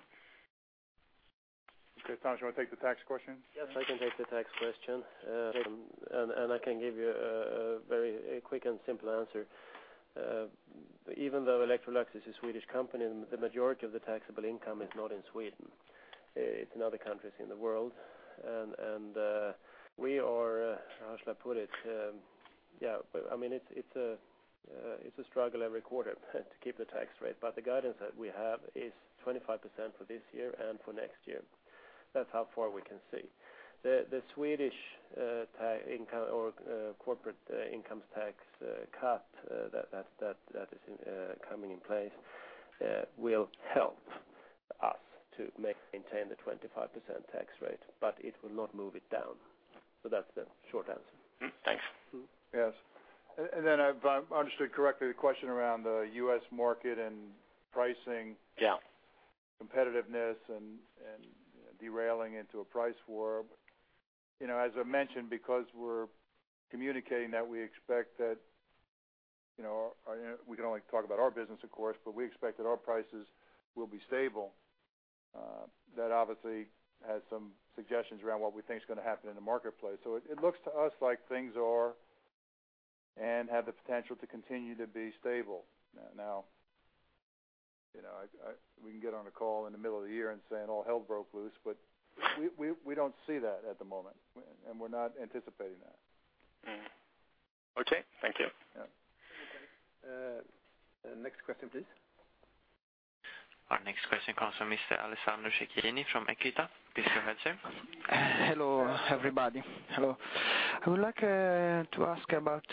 Okay, Tomas, you want to take the tax question? Yes, I can take the tax question, and I can give you a very quick and simple answer. Even though Electrolux is a Swedish company, the majority of the taxable income is not in Sweden. It's in other countries in the world. We are, how should I put it? Yeah, I mean, it's a struggle every quarter to keep the tax rate, but the guidance that we have is 25% for this year and for next year. That's how far we can see. The Swedish income or corporate income tax cut that is coming in place will help us to maintain the 25% tax rate, but it will not move it down. That's the short answer. Thanks. Yes. If I understood correctly, the question around the U.S. market and pricing. Yeah. competitiveness and derailing into a price war. You know, as I mentioned, because we're communicating that we expect that, you know, we can only talk about our business, of course, but we expect that our prices will be stable. That obviously has some suggestions around what we think is going to happen in the marketplace. It looks to us like things are and have the potential to continue to be stable. Now, you know, we can get on a call in the middle of the year and saying all hell broke loose, but we don't see that at the moment, and we're not anticipating that. Mm-hmm. Okay. Thank you. Yeah. Next question, please. Our next question comes from Mr. Alessandro Cecchini from Equita. Please go ahead, sir. Hello, everybody. Hello. I would like to ask about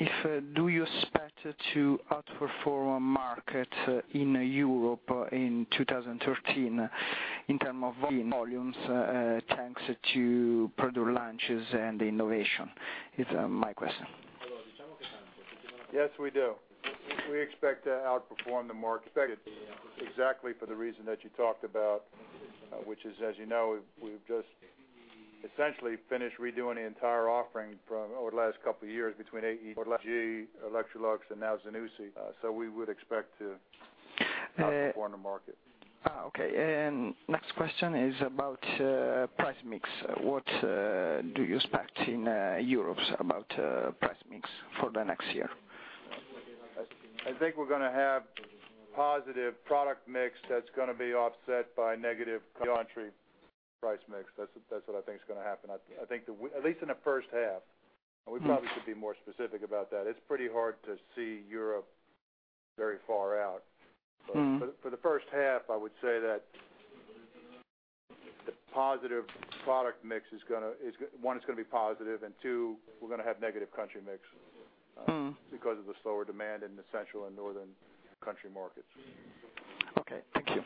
if do you expect to outperform market in Europe in 2013 in term of volumes thanks to product launches and innovation? It's my question. Yes, we do. We expect to outperform the market, exactly for the reason that you talked about, which is, as you know, we've just essentially finished redoing the entire offering from over the last couple of years between AEG, GE, Electrolux, and now Zanussi. We would expect to outperform the market. Okay. Next question is about price mix. What do you expect in Europe about price mix for the next year? I think we're gonna have positive product mix that's gonna be offset by negative country price mix. That's what I think is gonna happen. I think at least in the first half, we probably should be more specific about that. It's pretty hard to see Europe very far out. Mm-hmm. For the first half, I would say that the positive product mix is gonna, one, it's gonna be positive, and two, we're gonna have negative country mix. Mm-hmm Because of the slower demand in the central and northern country markets. Okay, thank you.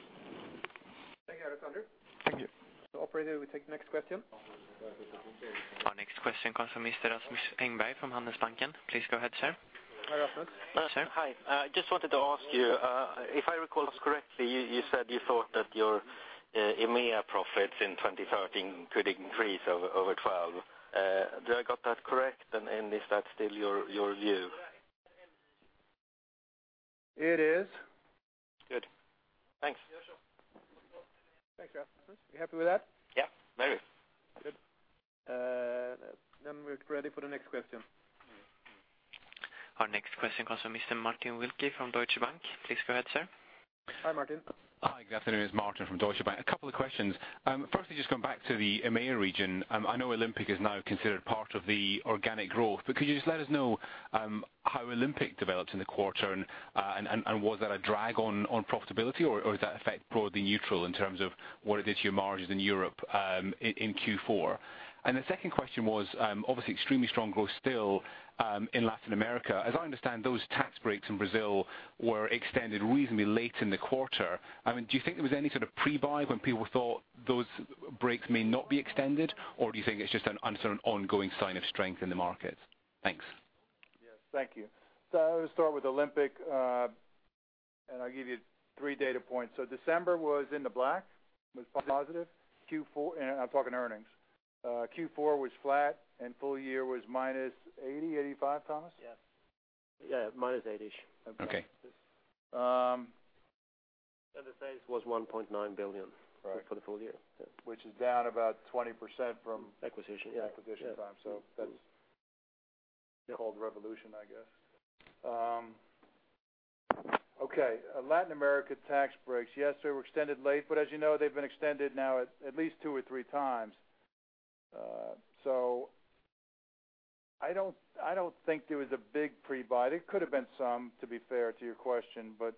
Thank you, Alessandro Cecchini. Thank you. Operator, we take the next question. Our next question comes from Mr. Rasmus Engberg from Handelsbanken. Please go ahead, sir. Hi, Rasmus. Sir. Hi. I just wanted to ask you, if I recall correctly, you said you thought that your EMEA profits in 2013 could increase over 2012. Do I got that correct? Is that still your view? It is. Good. Thanks. Yeah, sure. Thank you, Rasmus. You happy with that? Yeah, very. Good. We're ready for the next question. Our next question comes from Mr. Martin Wilkie from Deutsche Bank. Please go ahead, sir. Hi, Martin. Hi, good afternoon. It's Martin from Deutsche Bank. A couple of questions. Firstly, just going back to the EMEA region. I know Olympic is now considered part of the organic growth, but could you just let us know, how Olympic developed in the quarter? Was that a drag on profitability, or is that effect broadly neutral in terms of what it did to your margins in Europe, in Q4? The second question was, obviously extremely strong growth in Latin America. As I understand, those tax breaks in Brazil were extended reasonably late in the quarter. I mean, do you think there was any sort of pre-buy when people thought those breaks may not be extended, or do you think it's just an uncertain, ongoing sign of strength in the market? Thanks. Yes, thank you. I'll start with Olympic, and I'll give you three data points. December was in the black, was positive. Q4... I'm talking earnings. Q4 was flat, full year was minus 80, 85, Thomas? Yes. Yeah, minus 80-ish. Okay. Um. The size was 1.9 billion. Right. for the full year. Which is down about 20%. Acquisition, yeah. Acquisition time. That's called revolution, I guess. Okay, Latin America tax breaks. Yes, they were extended late, but as you know, they've been extended now at least 2 or 3 times. I don't think there was a big pre-buy. There could have been some, to be fair to your question, but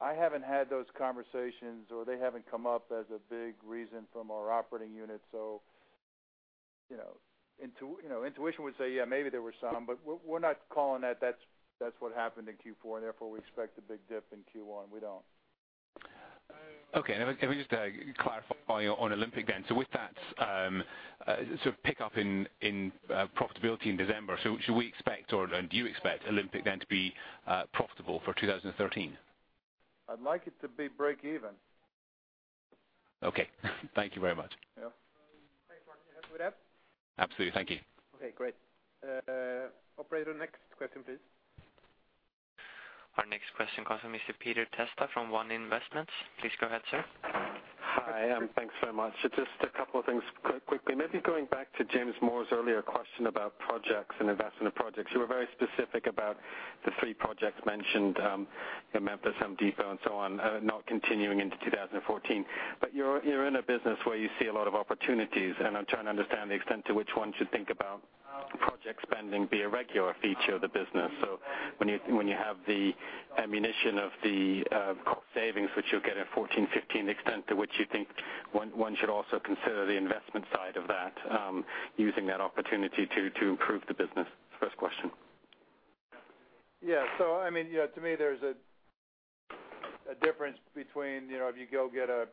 I haven't had those conversations, or they haven't come up as a big reason from our operating units. You know, intuition would say, yeah, maybe there were some, but we're not calling that's what happened in Q4, and therefore, we expect a big dip in Q1. We don't. Let me just clarify on Olympic then. With that, sort of pick up in profitability in December, so should we expect, or do you expect Olympic then to be profitable for 2013? I'd like it to be break even. Okay, thank you very much. Yeah. Thanks, Martin. You happy with that? Absolutely. Thank you. Okay, great. operator, next question, please. Our next question comes from Mr. Peter Testa from One Investments. Please go ahead, sir. Hi, thanks very much. Just a couple of things quickly. Maybe going back to James Moore's earlier question about projects and investment in projects. You were very specific about the 3 projects mentioned in Memphis, The Home Depot, and so on, not continuing into 2014. You're in a business where you see a lot of opportunities, and I'm trying to understand the extent to which one should think about project spending be a regular feature of the business. When you have the ammunition of the cost savings, which you'll get in 2014, 2015, the extent to which you think one should also consider the investment side of that, using that opportunity to improve the business. First question. I mean, you know, to me, there's a difference between, you know, if you go get a,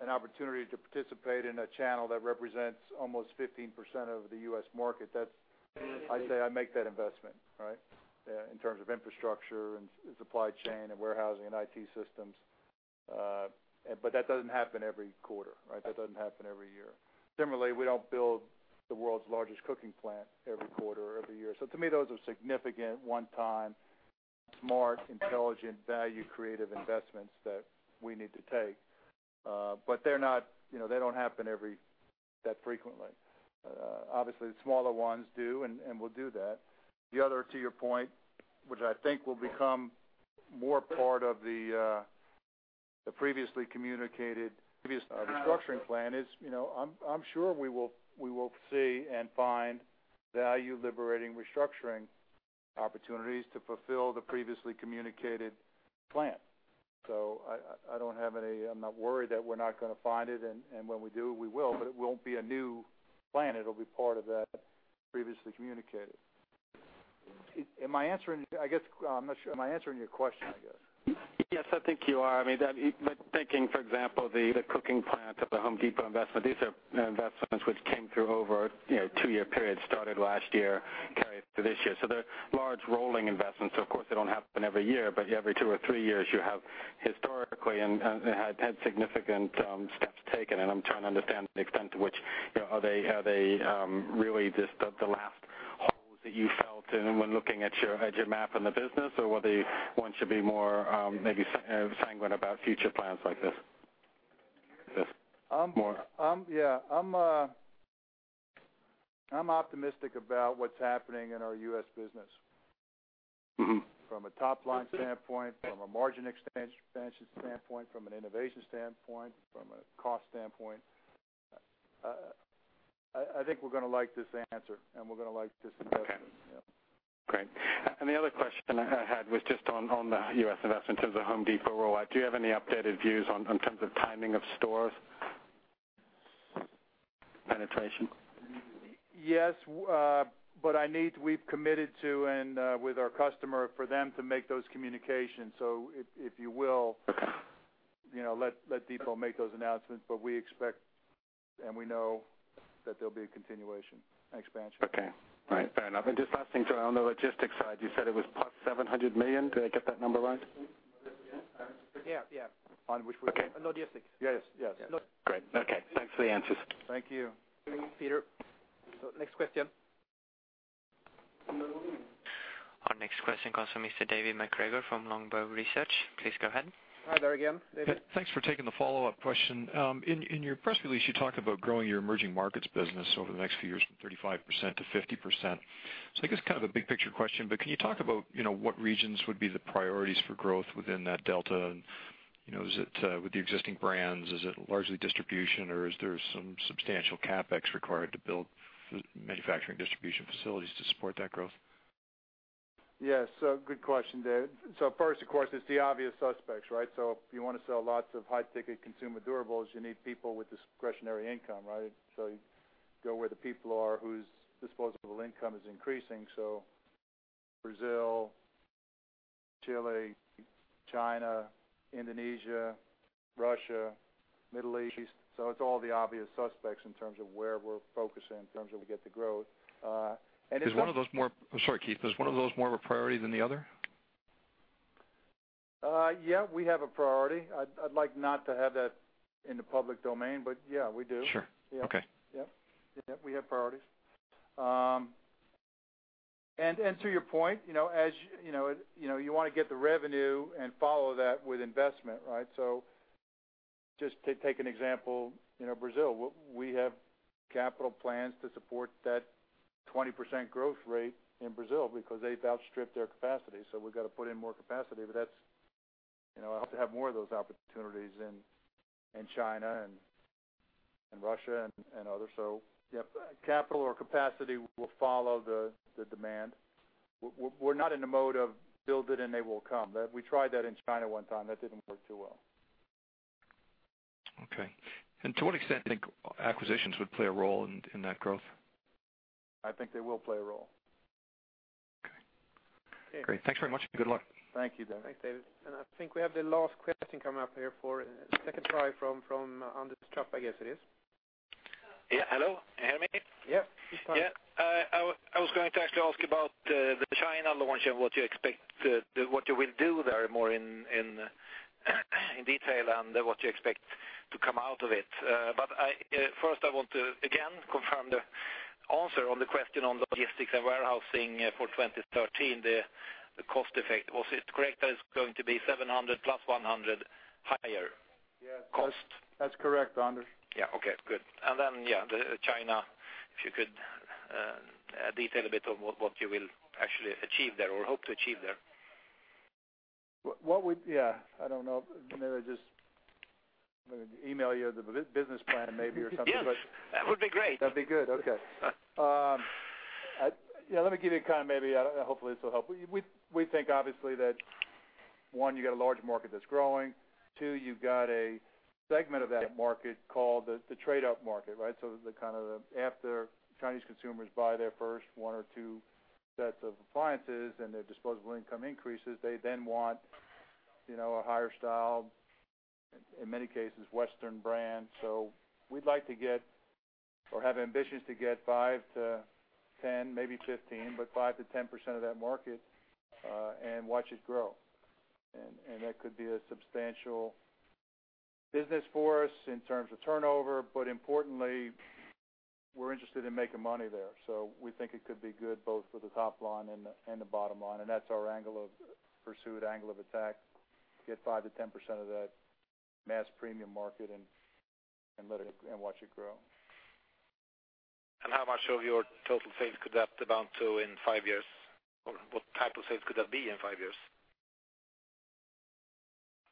an opportunity to participate in a channel that represents almost 15% of the U.S. market. Mm-hmm. I'd say I make that investment, right? In terms of infrastructure and supply chain and warehousing and IT systems. That doesn't happen every quarter, right? That doesn't happen every year. Similarly, we don't build the world's largest cooking plant every quarter or every year. To me, those are significant one-time, smart, intelligent, value creative investments that we need to take. They're not... You know, they don't happen that frequently. Obviously, the smaller ones do, and we'll do that. The other, to your point, which I think will become more part of the previously communicated, previous restructuring plan is, you know, I'm sure we will see and find value-liberating restructuring opportunities to fulfill the previously communicated plan. I don't have any... I'm not worried that we're not gonna find it, and when we do, we will, but it won't be a new plan. It'll be part of that previously communicated. Am I answering? I guess, I'm not sure. Am I answering your question, I guess? Yes, I think you are. I mean, that, taking, for example, the cooking plant of the Home Depot investment, these are investments which came through over, you know, a two-year period, started last year, carried through this year. They're large rolling investments. Of course, they don't happen every year, but every two or three years, you have historically and had significant steps taken, and I'm trying to understand the extent to which, you know, are they really just the last holes that you felt in when looking at your map in the business, or whether one should be more maybe sanguine about future plans like this? Um- More. Yeah. I'm optimistic about what's happening in our US business. Mm-hmm. From a top-line standpoint, from a margin extension standpoint, from an innovation standpoint, from a cost standpoint. I think we're gonna like this answer, and we're gonna like this investment. Okay. Yeah. Great. The other question I had was just on the U.S. investment in terms of Home Depot role. Do you have any updated views on terms of timing of stores? Yes, we've committed to and with our customer for them to make those communications. If you will, you know, let Depot make those announcements. We expect, and we know that there'll be a continuation and expansion. Okay. All right, fair enough. Just last thing, on the logistics side, you said it was plus 700 million. Did I get that number right? Yeah. Yeah. On which we- Okay. Logistics. Yes. Yes. Log- Great. Okay. Thanks for the answers. Thank you. Peter, next question. Our next question comes from Mr. David MacGregor from Longbow Research. Please go ahead. Hi there again, David. Thanks for taking the follow-up question. In your press release, you talked about growing your emerging markets business over the next few years from 35% to 50%. I guess kind of a big picture question, but can you talk about, you know, what regions would be the priorities for growth within that delta? You know, is it, with the existing brands, is it largely distribution, or is there some substantial CapEx required to build manufacturing distribution facilities to support that growth? Yes, good question, David. First, of course, it's the obvious suspects, right? If you want to sell lots of high-ticket consumer durables, you need people with discretionary income, right? You go where the people are, whose disposable income is increasing, so Brazil, Chile, China, Indonesia, Russia, Middle East. It's all the obvious suspects in terms of where we're focusing, in terms of we get the growth. I'm sorry, Keith, is one of those more of a priority than the other? Yeah, we have a priority. I'd like not to have that in the public domain, but yeah, we do. Sure. Yeah. Okay. Yeah. Yeah, we have priorities. to your point, you know, as you know, you know, you wanna get the revenue and follow that with investment, right? just to take an example, you know, Brazil, we have capital plans to support that 20% growth rate in Brazil because they've outstripped their capacity, so we've got to put in more capacity. that's, you know, I hope to have more of those opportunities in China and Russia and others. yep, capital or capacity will follow the demand. We're, we're not in the mode of build it and they will come. We tried that in China one time, that didn't work too well. Okay. To what extent do you think acquisitions would play a role in that growth? I think they will play a role. Okay. Yeah. Great. Thanks very much. Good luck. Thank you, David. Thanks, David. I think we have the last question coming up here for second try from Anders Trapp, I guess it is. Yeah, hello? Can you hear me? Yep. I was going to actually ask about the China launch and what you expect, what you will do there more in detail and what you expect to come out of it. I first, I want to again confirm the answer on the question on the logistics and warehousing for 2013, the cost effect. Was it correct that it's going to be 700 plus 100 higher- Yes. Cost? That's correct, Anders. Yeah. Okay, good. yeah, the China, if you could, detail a bit of what you will actually achieve there or hope to achieve there? What. Yeah, I don't know. Maybe I just email you the business plan maybe or something. Yes, that would be great. That'd be good. Okay. Yeah, let me give you a kind maybe... Hopefully, this will help. We think obviously that 1, you got a large market that's growing. 2, you've got a segment of that market. Yeah Called the trade-up market, right? The kind of after Chinese consumers buy their first one or two sets of appliances and their disposable income increases, they then want, you know, a higher style, in many cases, Western brands. We'd like to get or have ambitions to get 5-10%, maybe 15%, but 5-10% of that market, and watch it grow. That could be a substantial business for us in terms of turnover, but importantly, we're interested in making money there. We think it could be good both for the top line and the bottom line, and that's our angle of pursuit, angle of attack, get 5-10% of that mass premium market and let it, and watch it grow. How much of your total sales could that amount to in five years? What type of sales could that be in five years?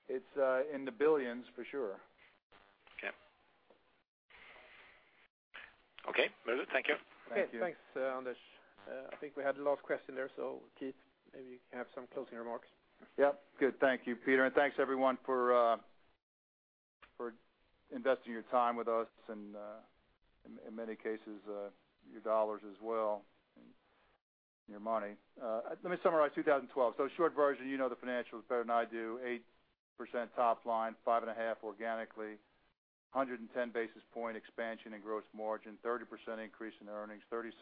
It's in the billions for sure. Okay. Okay, thank you. Thank you. Okay, thanks, Anders. I think we had the last question there, so Keith, maybe you can have some closing remarks. Yep. Good. Thank you, Peter, and thanks, everyone, for investing your time with us and, in many cases, your dollars as well, and your money. Let me summarize 2012. Short version, you know the financials better than I do, 8% top line, 5.5% organically, 110 basis point expansion in gross margin, 30% increase in earnings, 37%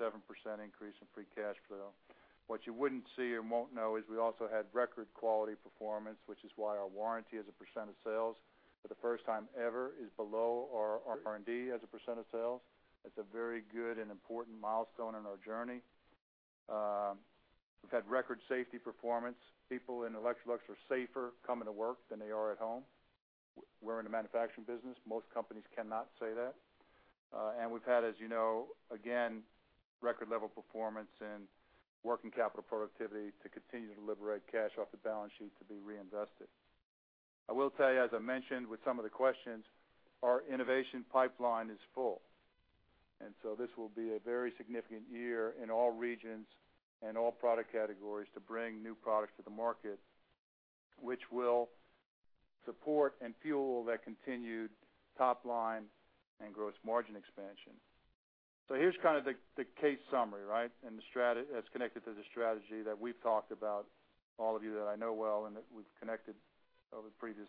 increase in free cash flow. What you wouldn't see or won't know is we also had record quality performance, which is why our warranty as a % of sales, for the first time ever, is below our R&D as a % of sales. That's a very good and important milestone in our journey. We've had record safety performance. People in Electrolux are safer coming to work than they are at home. We're in a manufacturing business, most companies cannot say that. We've had, as you know, again, record level performance in working capital productivity to continue to liberate cash off the balance sheet to be reinvested. I will tell you, as I mentioned with some of the questions, our innovation pipeline is full. This will be a very significant year in all regions and all product categories to bring new products to the market, which will support and fuel that continued top line and gross margin expansion. Here's kind of the case summary, right? The strata as connected to the strategy that we've talked about, all of you that I know well, and that we've connected over the previous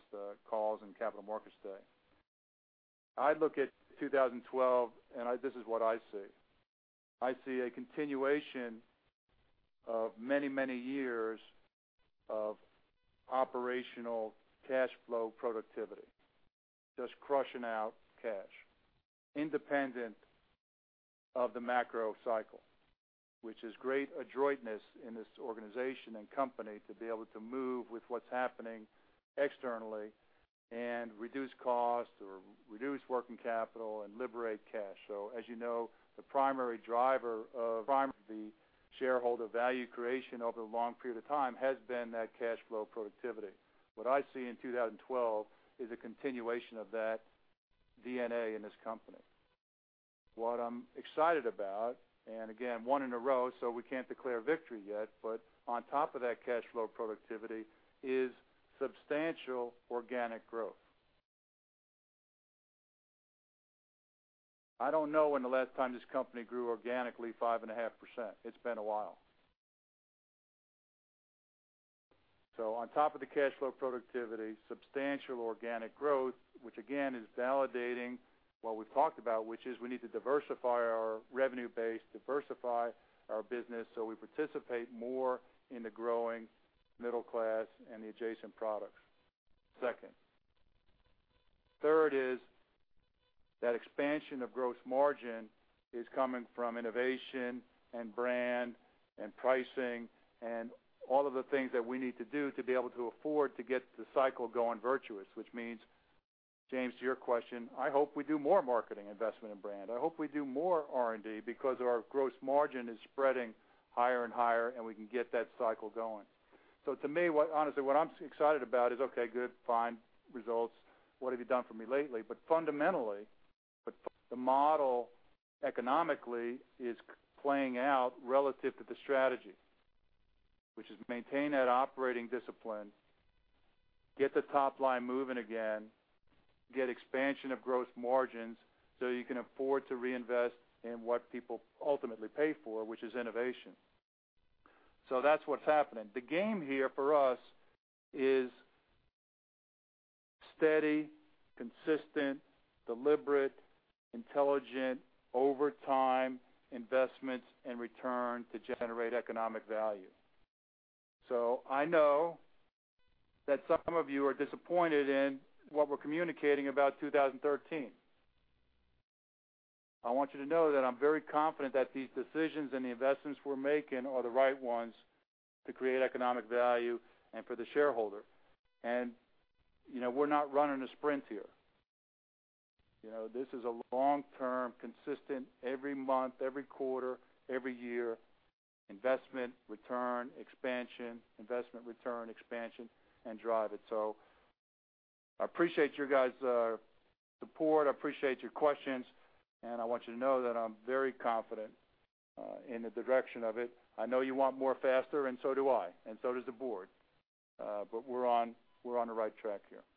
calls and Capital Markets Day. I look at 2012, and I this is what I see. I see a continuation of many, many years of operational cash flow productivity, just crushing out cash independent of the macro cycle, which is great adroitness in this organization and company to be able to move with what's happening externally and reduce costs or reduce working capital and liberate cash. As you know, the primary shareholder value creation over a long period of time has been that cash flow productivity. What I see in 2012 is a continuation of that DNA in this company. What I'm excited about, and again, one in a row, so we can't declare victory yet, but on top of that cash flow productivity is substantial organic growth. I don't know when the last time this company grew organically 5.5%. It's been a while. On top of the cash flow productivity, substantial organic growth, which again, is validating what we've talked about, which is we need to diversify our revenue base, diversify our business so we participate more in the growing middle class and the adjacent products, second. Third is that expansion of gross margin is coming from innovation and brand and pricing and all of the things that we need to do to be able to afford to get the cycle going virtuous, which means, James, to your question, I hope we do more marketing investment in brand. I hope we do more R&D because our gross margin is spreading higher and higher, and we can get that cycle going. To me, what honestly I'm excited about is, okay, good, fine results. What have you done for me lately? fundamentally, the model economically is playing out relative to the strategy, which is maintain that operating discipline, get the top line moving again, get expansion of growth margins, so you can afford to reinvest in what people ultimately pay for, which is innovation. That's what's happening. The game here for us is steady, consistent, deliberate, intelligent, over time, investments and return to generate economic value. I know that some of you are disappointed in what we're communicating about 2013. I want you to know that I'm very confident that these decisions and the investments we're making are the right ones to create economic value and for the shareholder. You know, we're not running a sprint here. You know, this is a long-term, consistent, every month, every quarter, every year, investment, return, expansion, investment, return, expansion, and drive it. I appreciate your guys' support. I appreciate your questions, and I want you to know that I'm very confident in the direction of it. I know you want more faster, and so do I, and so does the board. We're on the right track here. Thank you.